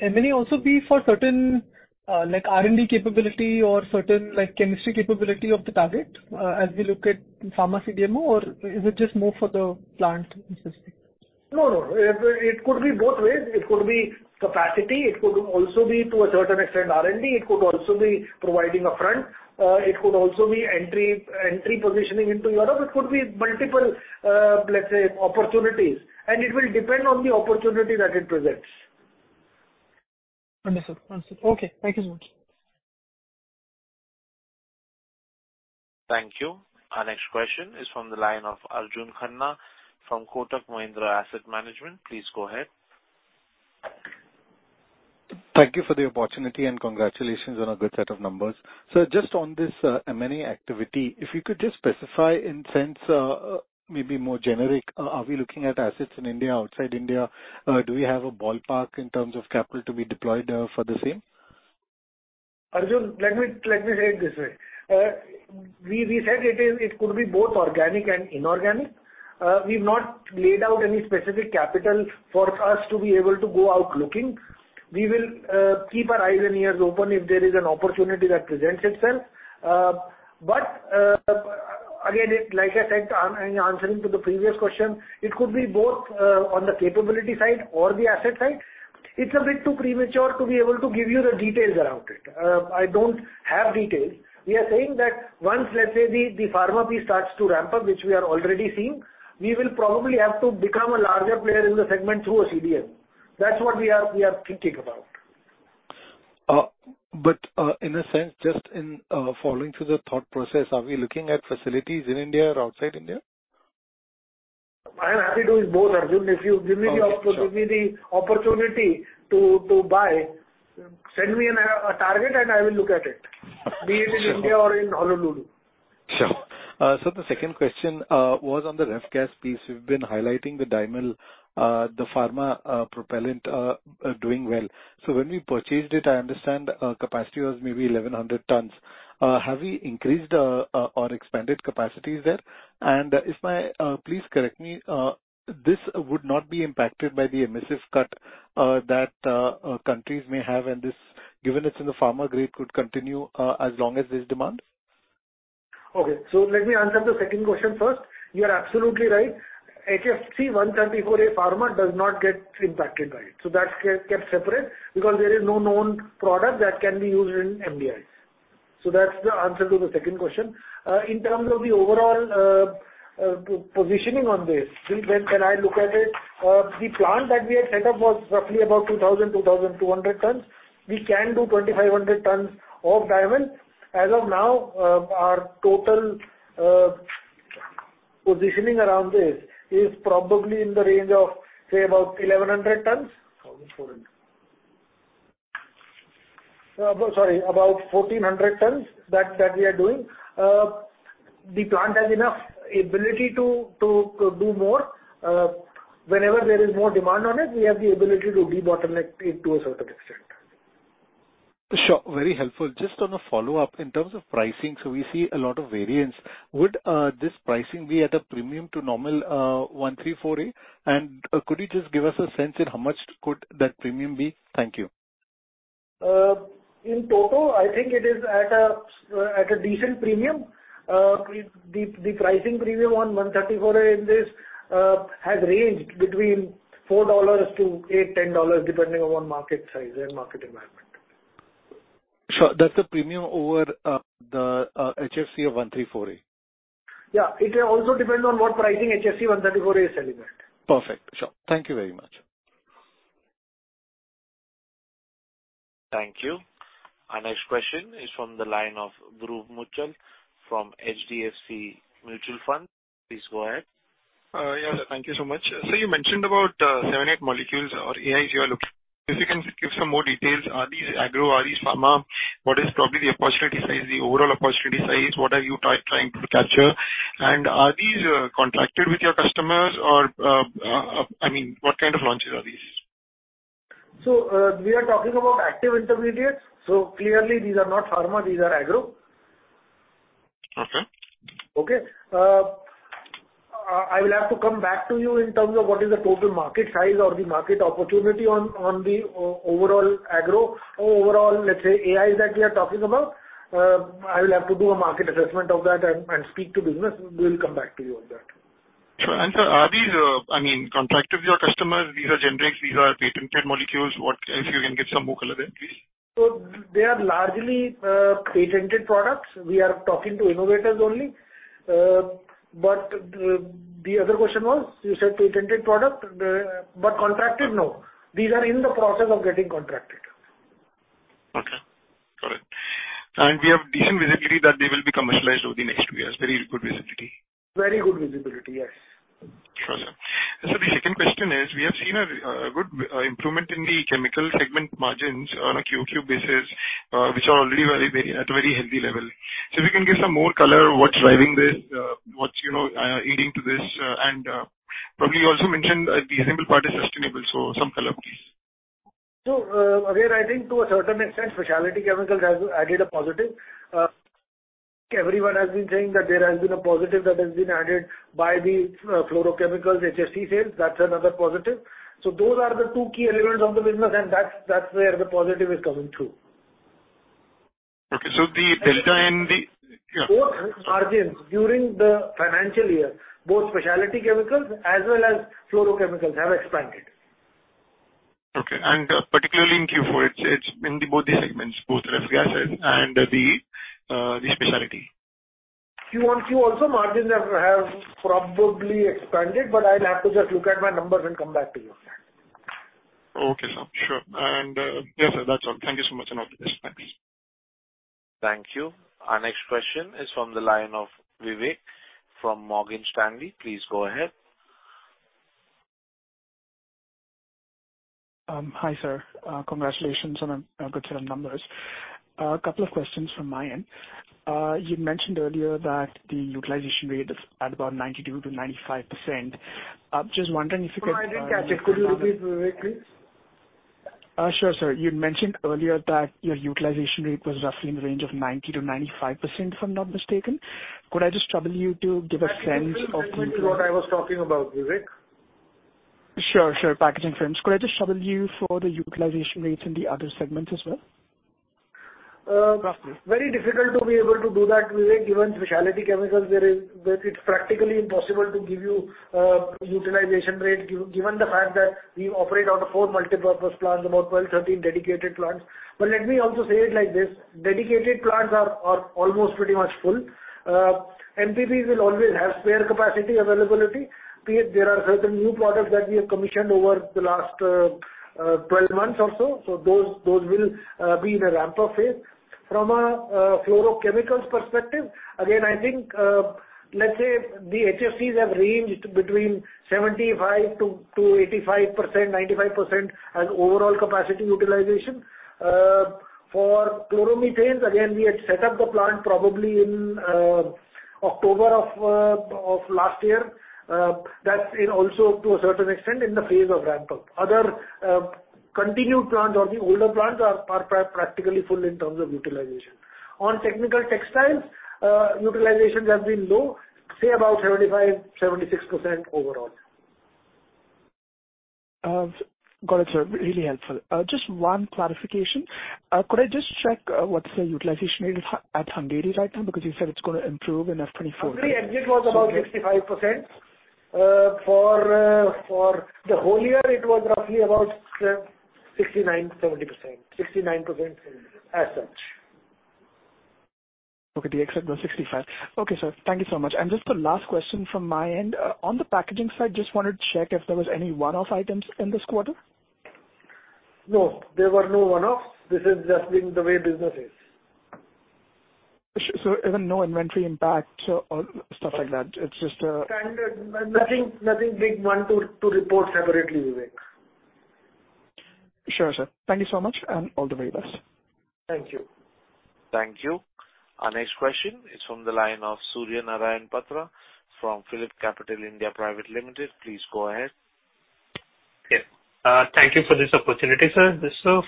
M&A also be for certain, like R&D capability or certain like chemistry capability of the target, as we look at pharma CDMO, or is it just more for the plant specific? No, no. It could be both ways. It could be capacity. It could also be to a certain extent R&D. It could also be providing a front. It could also be entry positioning into Europe. It could be multiple, let's say opportunities, and it will depend on the opportunity that it presents. Understood. Understood. Okay, thank you so much. Thank you. Our next question is from the line of Arjun Khanna from Kotak Mahindra Asset Management. Please go ahead. Thank you for the opportunity and congratulations on a good set of numbers. Just on this M&A activity, if you could just specify in sense, maybe more generic, are we looking at assets in India, outside India? Do we have a ballpark in terms of capital to be deployed for the same? Arjun, let me say it this way. We said it is, it could be both organic and inorganic. We've not laid out any specific capital for us to be able to go out looking. We will keep our eyes and ears open if there is an opportunity that presents itself. Again, it like I said, in answering to the previous question, it could be both on the capability side or the asset side. It's a bit too premature to be able to give you the details around it. I don't have details. We are saying that once, let's say, the pharma piece starts to ramp up, which we are already seeing, we will probably have to become a larger player in the segment through a CDMO. That's what we are thinking about. In a sense, just in, following through the thought process, are we looking at facilities in India or outside India? I am happy to do it both, Arjun. If you give me the opportunity to buy, send me a target and I will look at it. Be it in India or in Honolulu. Sure. The second question was on the refrigerant gas business. You've been highlighting the Dymel, the pharma propellant, doing well. When we purchased it, I understand, capacity was maybe 1,100 tons. Have we increased or expanded capacities there? If my, please correct me, this would not be impacted by the emissions cut that countries may have and this, given it's in the pharma grade could continue as long as there's demand? Let me answer the second question first. You're absolutely right. Pharma grade HFC-134a/P does not get impacted by it. That's kept separate because there is no known product that can be used in MDIs. That's the answer to the second question. In terms of the overall positioning on this, when can I look at it? The plant that we had set up was roughly about 2,000-2,200 tons. We can do 2,500 tons of Dymel. As of now, our total positioning around this is probably in the range of, say, about 1,100 tons. Sorry, about 1,400 tons that we are doing. The plant has enough ability to do more. Whenever there is more demand on it, we have the ability to debottleneck it to a certain extent. Sure. Very helpful. Just on a follow-up, in terms of pricing, so we see a lot of variance. Would this pricing be at a premium to standard refrigerant-grade HFC-134a? Could you just give us a sense at how much could that premium be? Thank you. In total, I think it is at a decent premium. The pricing premium on HFC-134a in this has ranged between $4 to $8-$10, depending upon market size and market environment. Sure. That's a premium over the HFC-134a? Yeah. It will also depend on what pricing HFC-134a is selling at. Perfect. Sure. Thank you very much. Thank you. Our next question is from the line of Dhruv Muchhal from HDFC Mutual Fund. Please go ahead. Yeah. Thank you so much. You mentioned about seven to eight molecules or AIs you are looking. If you can give some more details. Are these agro? Are these pharma? What is probably the opportunity size, the overall opportunity size? What are you trying to capture? Are these contracted with your customers or, I mean, what kind of launches are these? We are talking about active intermediates. Clearly these are not pharma, these are agro. Okay. Okay. I will have to come back to you in terms of what is the total market size or the market opportunity on the overall agro. Overall, let's say AIs that we are talking about, I will have to do a market assessment of that and speak to business. We will come back to you on that. Sure. Sir, are these, I mean, contracted with your customers? These are generics, these are patented molecules. If you can give some more color there, please. They are largely patented products. We are talking to innovators only. The other question was, you said patented product, but contracted, no. These are in the process of getting contracted. Okay, got it. Do we have decent visibility that they will be commercialized over the next two years? Very good visibility? Very good visibility, yes. Sure, sir. The second question is, we have seen a good improvement in the Chemicals segment margins on a QoQ basis, which are already very, at a very healthy level. If you can give some more color, what's driving this, what's, you know, leading to this, and probably you also mentioned the assemble part is sustainable, some color, please. Again, I think to a certain extent, Specialty Chemicals has added a positive. Everyone has been saying that there has been a positive that has been added by the Fluorochemicals HFC sales. That's another positive. Those are the two key elements of the business, and that's where the positive is coming through. The delta and... Both margins during the financial year, both Specialty Chemicals as well as Fluorochemicals have expanded. Okay. Particularly in Q4, it's in the both the segments, both refrigerant gases and the specialty. QoQ also margins have probably expanded, but I'll have to just look at my numbers and come back to you. Okay, sir. Sure. Yes, sir, that's all. Thank you so much and all the best. Thanks. Thank you. Our next question is from the line of Vivek Rajamani from Morgan Stanley. Please go ahead. Hi, sir. Congratulations on a good set of numbers. A couple of questions from my end. You'd mentioned earlier that the utilization rate is at about 92%-95%. I'm just wondering if you could... No, I didn't catch it. Could you repeat, Vivek, please? Sure, sir. You'd mentioned earlier that your utilization rate was roughly in the range of 90%-95%, if I'm not mistaken. Could I just trouble you to give a sense of? That refers specifically to what I was talking about, Vivek. Sure, sure. Packaging Films. Could I just trouble you for the utilization rates in the other segments as well? Very difficult to be able to do that, Vivek, given Specialty Chemicals there is, it's practically impossible to give you utilization rate given the fact that we operate out of four multi-purpose plants, about 12-13 dedicated plants. Let me also say it like this, dedicated plants are almost pretty much full. MPPs will always have spare capacity availability. Be it there are certain new products that we have commissioned over the last 12 months or so those will be in a ramp-up phase. From Fluorochemicals perspective, again, I think, let's say the HFCs have ranged between 75%-85%, and to 95% as overall capacity utilization. For chloromethanes, again, we had set up the plant probably in October of last year. That's in also to a certain extent in the phase of ramp-up. Other continued plants or the older plants are practically full in terms of utilization. On Technical Textiles, utilizations have been low, say about 75%-76% overall. Got it, sir. Really helpful. Just one clarification. Could I just check, what's the utilization rate at Hungary right now? Because you said it's gonna improve in FY 2024. Hungary it was about 65%. For the whole year, it was roughly about 69%-70%. 69% as such. Okay. The exit was 65%. Okay, sir. Thank you so much. Just the last question from my end. On the Packaging Films side, just wanted to check if there was any one-off items in this quarter? No, there were no one-offs. This is just being the way business is. Even no inventory impact or stuff like that? It's just- Standard. Nothing big one to report separately, Vivek. Sure, sir. Thank you so much, and all the very best. Thank you. Thank you. Our next question is from the line of Surya Narayan Patra from PhillipCapital India Private Limited. Please go ahead. Yeah. Thank you for this opportunity, sir.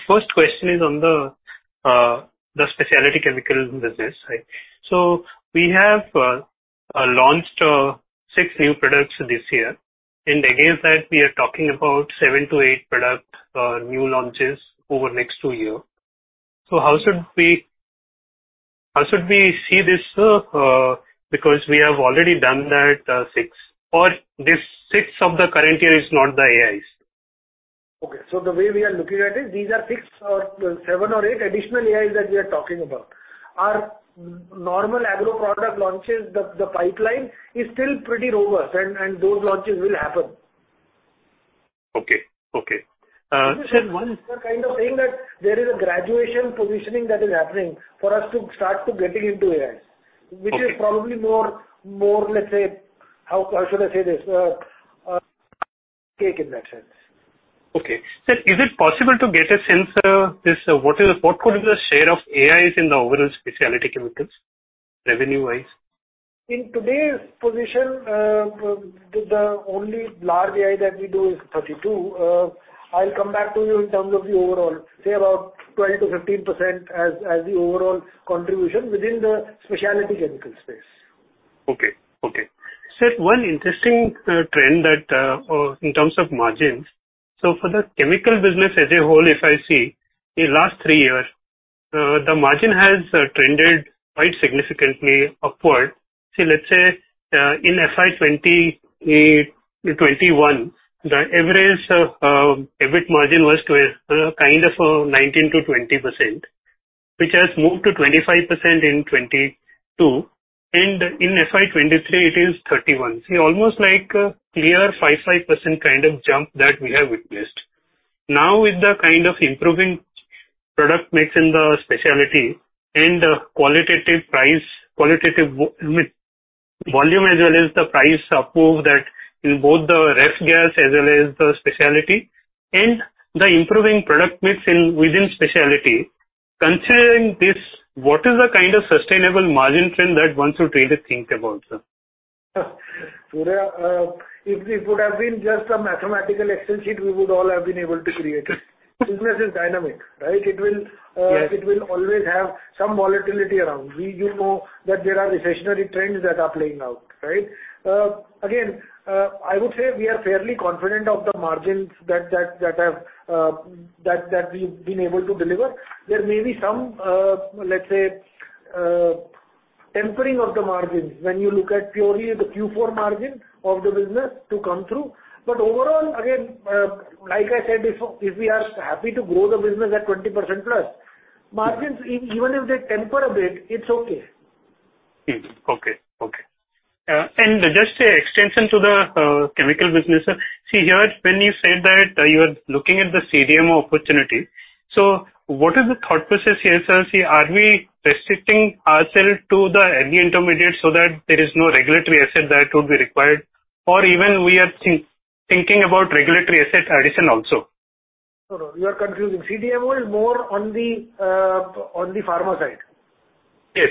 First question is on the Specialty Chemicals business, right. You have launched six new products this year. Against that, we are talking about seven to eight new product launches over next two year. How should we see this, because you have already done that six products launch. This six of the current year is not the AIs. Okay. The way we are looking at it, these are six or seven or eight additional AIs that we are talking about. Our normal agro product launches, the pipeline is still pretty robust and those launches will happen. Okay. Okay. sir. We're kind of saying that there is a graduation positioning that is happening for us to start to getting into AIs. Okay. Which is probably more, let's say how should I say this? Cake in that sense. Okay. Sir, is it possible to get a sense, this what could be the share of AIs in the overall Specialty Chemicals, revenue-wise? In today's position, the only large AI that we do is R-32. I'll come back to you in terms of the overall, say about 12%-15% as the overall contribution within the specialty chemicals space. Okay. Okay. Sir, one interesting trend that in terms of margins. For the Chemicals business as a whole, if I see, in last three years, the margin has trended quite significantly upward. Say, let's say, in FY 2020-2021, the average EBIT margin was to a kind of 19%-20%, which has moved to 25% in 2022. In FY 2023, it is 31%. See, almost like a clear 5% kind of jump that we have witnessed. With the kind of improving product mix in the specialty and the qualitative price, I mean, volume as well as the price up move that in both the refrigerant gas as well as the specialty and the improving product mix in within specialty, considering this, what is the kind of sustainable margin trend that one should really think about, sir? Surya, if it would have been just a mathematical Excel sheet, we would all have been able to create it. Business is dynamic, right? It will- Yes. It will always have some volatility around. We do know that there are recessionary trends that are playing out, right? Again, I would say we are fairly confident of the margins that we've been able to deliver. There may be some, let's say, tempering of the margins when you look at purely the Q4 margin of the business to come through. Overall, again, like I said before, if we are happy to grow the business at 20%+, margins even if they temper a bit, it's okay. Okay. Okay. Just an extension to the Chemicals business. See, here when you said that you are looking at the CDMO opportunity, what is the thought process here, sir? See, are we restricting ourselves to the early intermediate so that there is no regulatory asset that would be required, or even we are thinking about regulatory asset addition also? No, no, you are confusing. CDMO is more on the on the pharma side. Yes.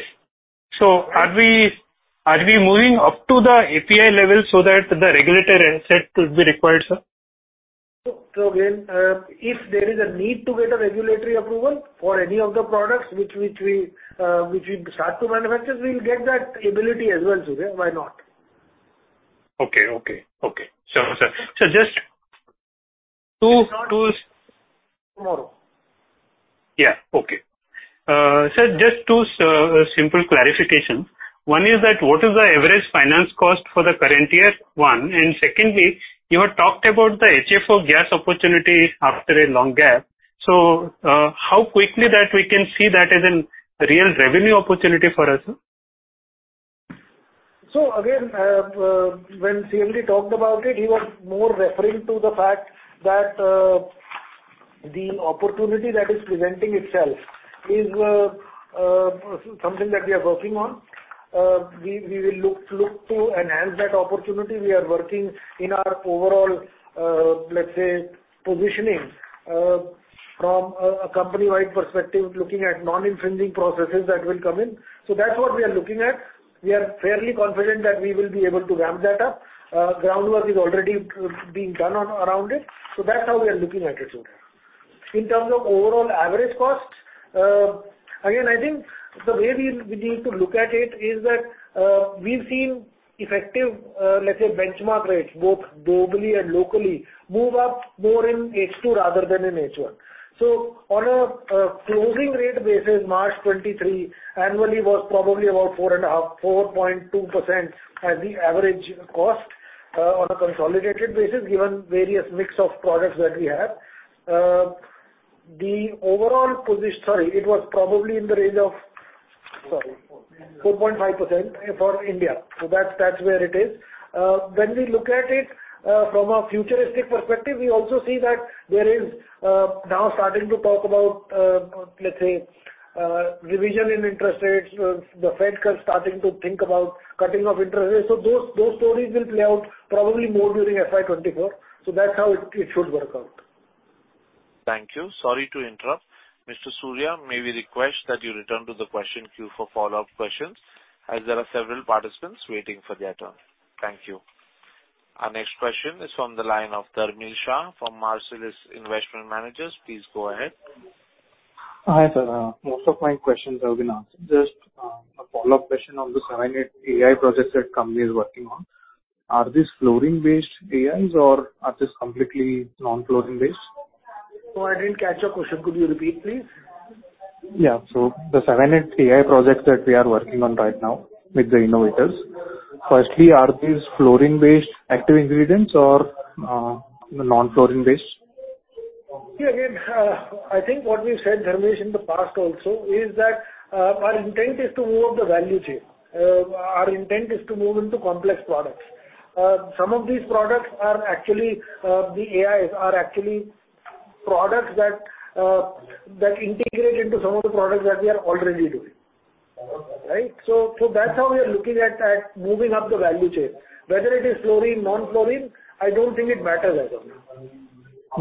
are we moving up to the API level so that the regulatory asset will be required, sir? Again, if there is a need to get a regulatory approval for any of the products which we start to manufacture, we'll get that ability as well, Surya. Why not? Okay. Okay. Okay. sir, so just two more questions. Let's get back to it tomorrow. Yeah. Okay. Sir, just two simple clarifications. One is that what is the average finance cost for the current year? One. Secondly, you had talked about the HFO gas opportunity after a long gap. How quickly that we can see that as in real revenue opportunity for us, sir? Again, when CMD talked about it, he was more referring to the fact that the opportunity that is presenting itself is something that we are working on. We will look to enhance that opportunity. We are working in our overall, let's say, positioning from a company-wide perspective, looking at non-infringing processes that will come in. That's what we are looking at. We are fairly confident that we will be able to ramp that up. Groundwork is already being done on around it. That's how we are looking at it, Surya. In terms of overall average cost, again, I think the way we need to look at it is that we've seen effective, let's say, benchmark rates, both globally and locally, move up more in H2 rather than in H1. On a closing rate basis, March 2023 annually was probably about 4.5%, 4.2% as the average cost on a consolidated basis, given various mix of products that we have. Sorry, it was probably in the range of... Sorry. 4.5% 4.5% for India. That's where it is. When we look at it from a futuristic perspective, we also see that there is now starting to talk about let's say revision in interest rates. The Fed starting to think about cutting of interest rates. Those stories will play out probably more during FY 2024. That's how it should work out. Thank you. Sorry to interrupt. Mr. Surya, may we request that you return to the question queue for follow-up questions, as there are several participants waiting for their turn. Thank you. Our next question is from the line of Dharmil Shah from Marcellus Investment Managers. Please go ahead. Hi, sir. Most of my questions have been answered. Just a follow-up question on the seven to eight AI projects that company is working on. Are these fluorine-based AIs or are these completely non-fluorine based? I didn't catch your question. Could you repeat, please? Yeah. The seven to eight AI projects that we are working on right now with the innovators, firstly, are these fluorine-based active ingredients or non-fluorine based? Again, I think what we've said, Dharmil, in the past also is that, our intent is to move up the value chain. Our intent is to move into complex products. Some of these products are actually, the AIs are actually products that integrate into some of the products that we are already doing. Right? That's how we are looking at moving up the value chain. Whether it is fluorine, non-fluorine, I don't think it matters as of now.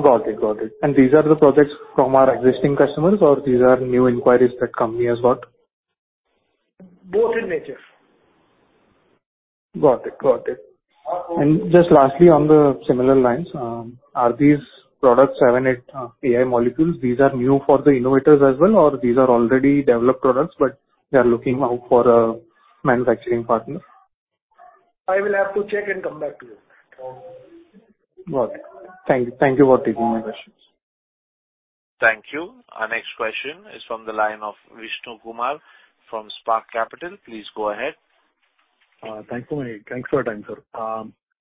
Got it. Got it. These are the projects from our existing customers or these are new inquiries that company has got? Both in nature. Got it. Got it. Just lastly, on the similar lines, are these products seven to eight AI molecules, these are new for the innovators as well, or these are already developed products, but they are looking out for a manufacturing partner? I will have to check and come back to you. Got it. Thank you for taking my questions. Thank you. Our next question is from the line of Vishnu Kumar from Spark Capital. Please go ahead. Thanks for your time, sir.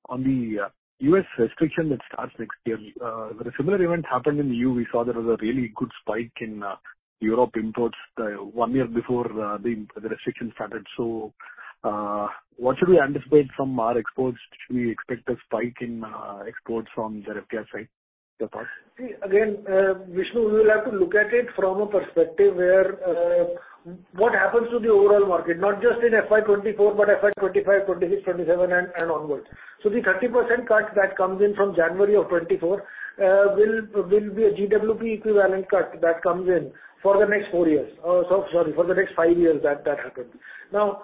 On the U.S. restriction that starts next year, when a similar event happened in the EU, we saw there was a really good spike in Europe imports, one year before the restriction started. What should we anticipate from our exports? Should we expect a spike in exports from refrigerant gas side, your part? See, again, Vishnu, we will have to look at it from a perspective where, what happens to the overall market, not just in FY 2024, but FY 2025, 2026, 2027 and onward. The 30% cut that comes in from January of 2024, will be a GWP equivalent cut that comes in for the next four years. Sorry, for the next five years that happened. Now,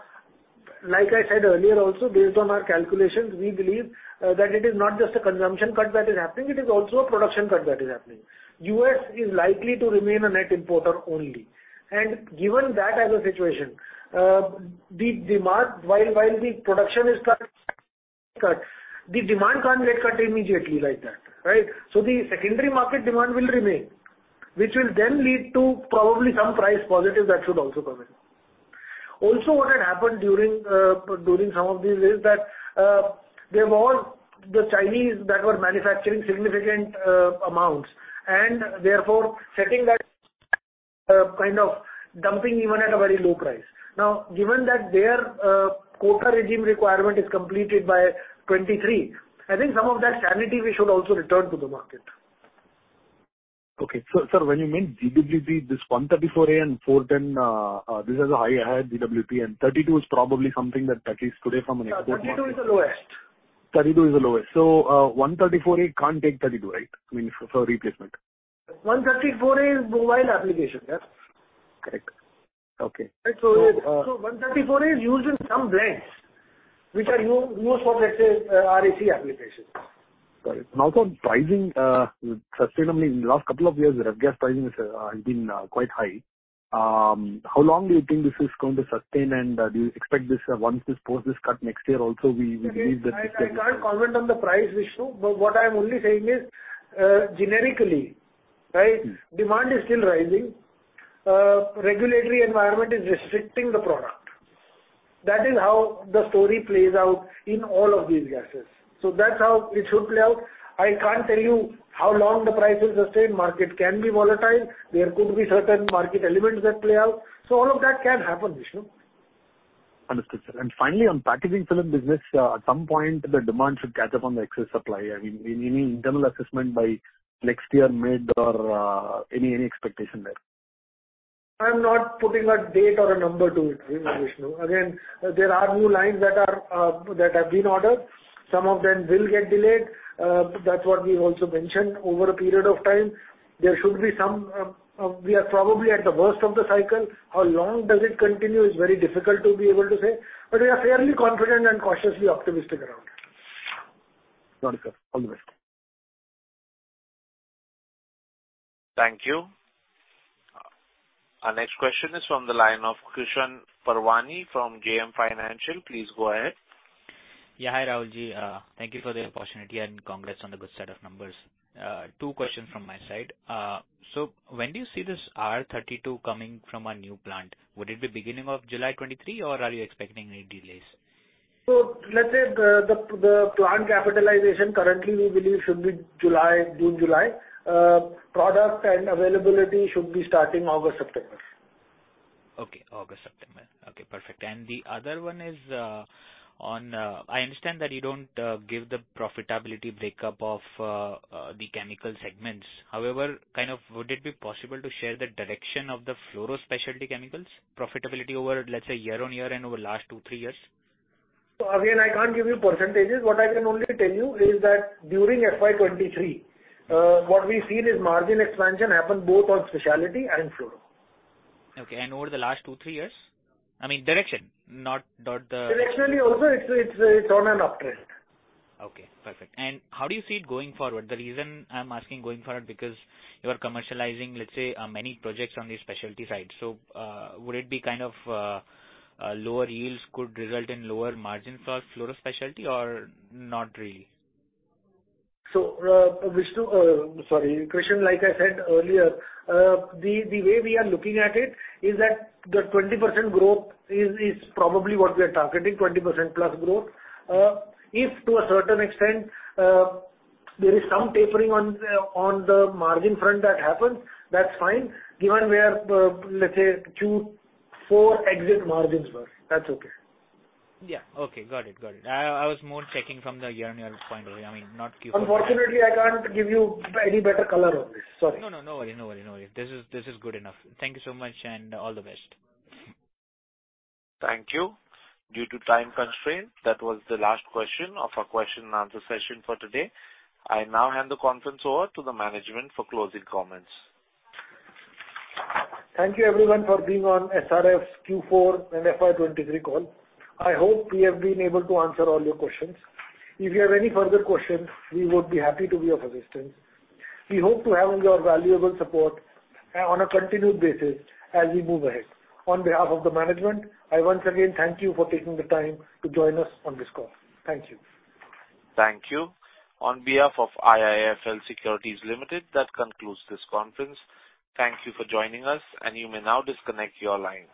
like I said earlier also, based on our calculations, we believe, that it is not just a consumption cut that is happening, it is also a production cut that is happening. U.S. is likely to remain a net importer only. Given that as a situation, the demand while the production is cut. The demand can't get cut immediately like that, right? The secondary market demand will remain, which will then lead to probably some price positive that should also come in. Also, what had happened during some of this is that there was the Chinese that were manufacturing significant amounts, and therefore setting that kind of dumping even at a very low price. Now, given that their quota regime requirement is completed by 2023, I think some of that sanity we should also return to the market. Sir, when you mean GWP, this R-134a and R-410, this has a higher GWP, and R-32 is probably something that, at least today from an export market. Yeah, R-32 is the lowest. R-32 is the lowest. R-134a can't take R-32, right? I mean, for replacement. R-134a is mobile application. Correct. Okay. R-134a is used in some blends which are used for, let's say, RAC applications. Got it. Also pricing sustainably in the last couple of years, the refrigerant gas pricing has been quite high. How long do you think this is going to sustain, and do you expect this once this post is cut next year also we believe that this? I can't comment on the price issue, but what I'm only saying is, generically, right? Demand is still rising. Regulatory environment is restricting the product. That is how the story plays out in all of these gases. That's how it should play out. I can't tell you how long the price will sustain. Market can be volatile. There could be certain market elements that play out. All of that can happen, Vishnu. Understood, sir. Finally, on Packaging Films business, at some point the demand should catch up on the excess supply. I mean, any internal assessment by next year, mid, or any expectation there? I'm not putting a date or a number to it, Vishnu. Again, there are new lines that are, that have been ordered. Some of them will get delayed, that's what we also mentioned over a period of time. There should be some. We are probably at the worst of the cycle. How long does it continue is very difficult to be able to say, but we are fairly confident and cautiously optimistic around it. Got it, sir. All the best. Thank you. Our next question is from the line of Krishan Parwani from JM Financial. Please go ahead. Yeah. Hi, Rahul. Thank you for the opportunity and congrats on the good set of numbers. Two questions from my side. When do you see this R-32 coming from a new plant? Would it be beginning of July 2023, or are you expecting any delays? Let's say the plant capitalization currently we believe should be July, June, July. Product and availability should be starting August, September. Okay. August, September. Okay, perfect. The other one is on, I understand that you don't give the profitability breakup of the Chemicals segments. However, kind of would it be possible to share the direction of the Fluoro and Specialty Chemicals profitability over, let's say, year-on-year and over last two to three years? Again, I can't give you percentages. What I can only tell you is that during FY 2023, what we've seen is margin expansion happen both on Specialty and in Fluoro. Okay. Over the last two to three years? I mean, direction, not the- Directionally also it's on an uptrend. Okay. Perfect. How do you see it going forward? The reason I'm asking going forward, because you are commercializing, let's say, many projects on the Specialty side. Would it be kind of, lower yields could result in lower margins for Fluoro and Specialty or not really? Vishnu, sorry, Krishan, like I said earlier, the way we are looking at it is that the 20% growth is probably what we are targeting, 20%+ growth. If to a certain extent, there is some tapering on the margin front that happens, that's fine, given we are, let's say Q4 exit margins were. That's okay. Yeah. Okay. Got it. I was more checking from the year-on-year point of view. I mean, not Q4. Unfortunately, I can't give you any better color on this. Sorry. No, no. No worry. No worry. No worry. This is good enough. Thank you so much and all the best. Thank you. Due to time constraint, that was the last question of our question-and-answer session for today. I now hand the conference over to the management for closing comments. Thank you everyone for being on SRF's Q4 and FY 2023 call. I hope we have been able to answer all your questions. If you have any further questions, we would be happy to be of assistance. We hope to have your valuable support on a continued basis as we move ahead. On behalf of the management, I once again thank you for taking the time to join us on this call. Thank you. Thank you. On behalf of IIFL Securities Limited, that concludes this conference. Thank you for joining us, and you may now disconnect your lines.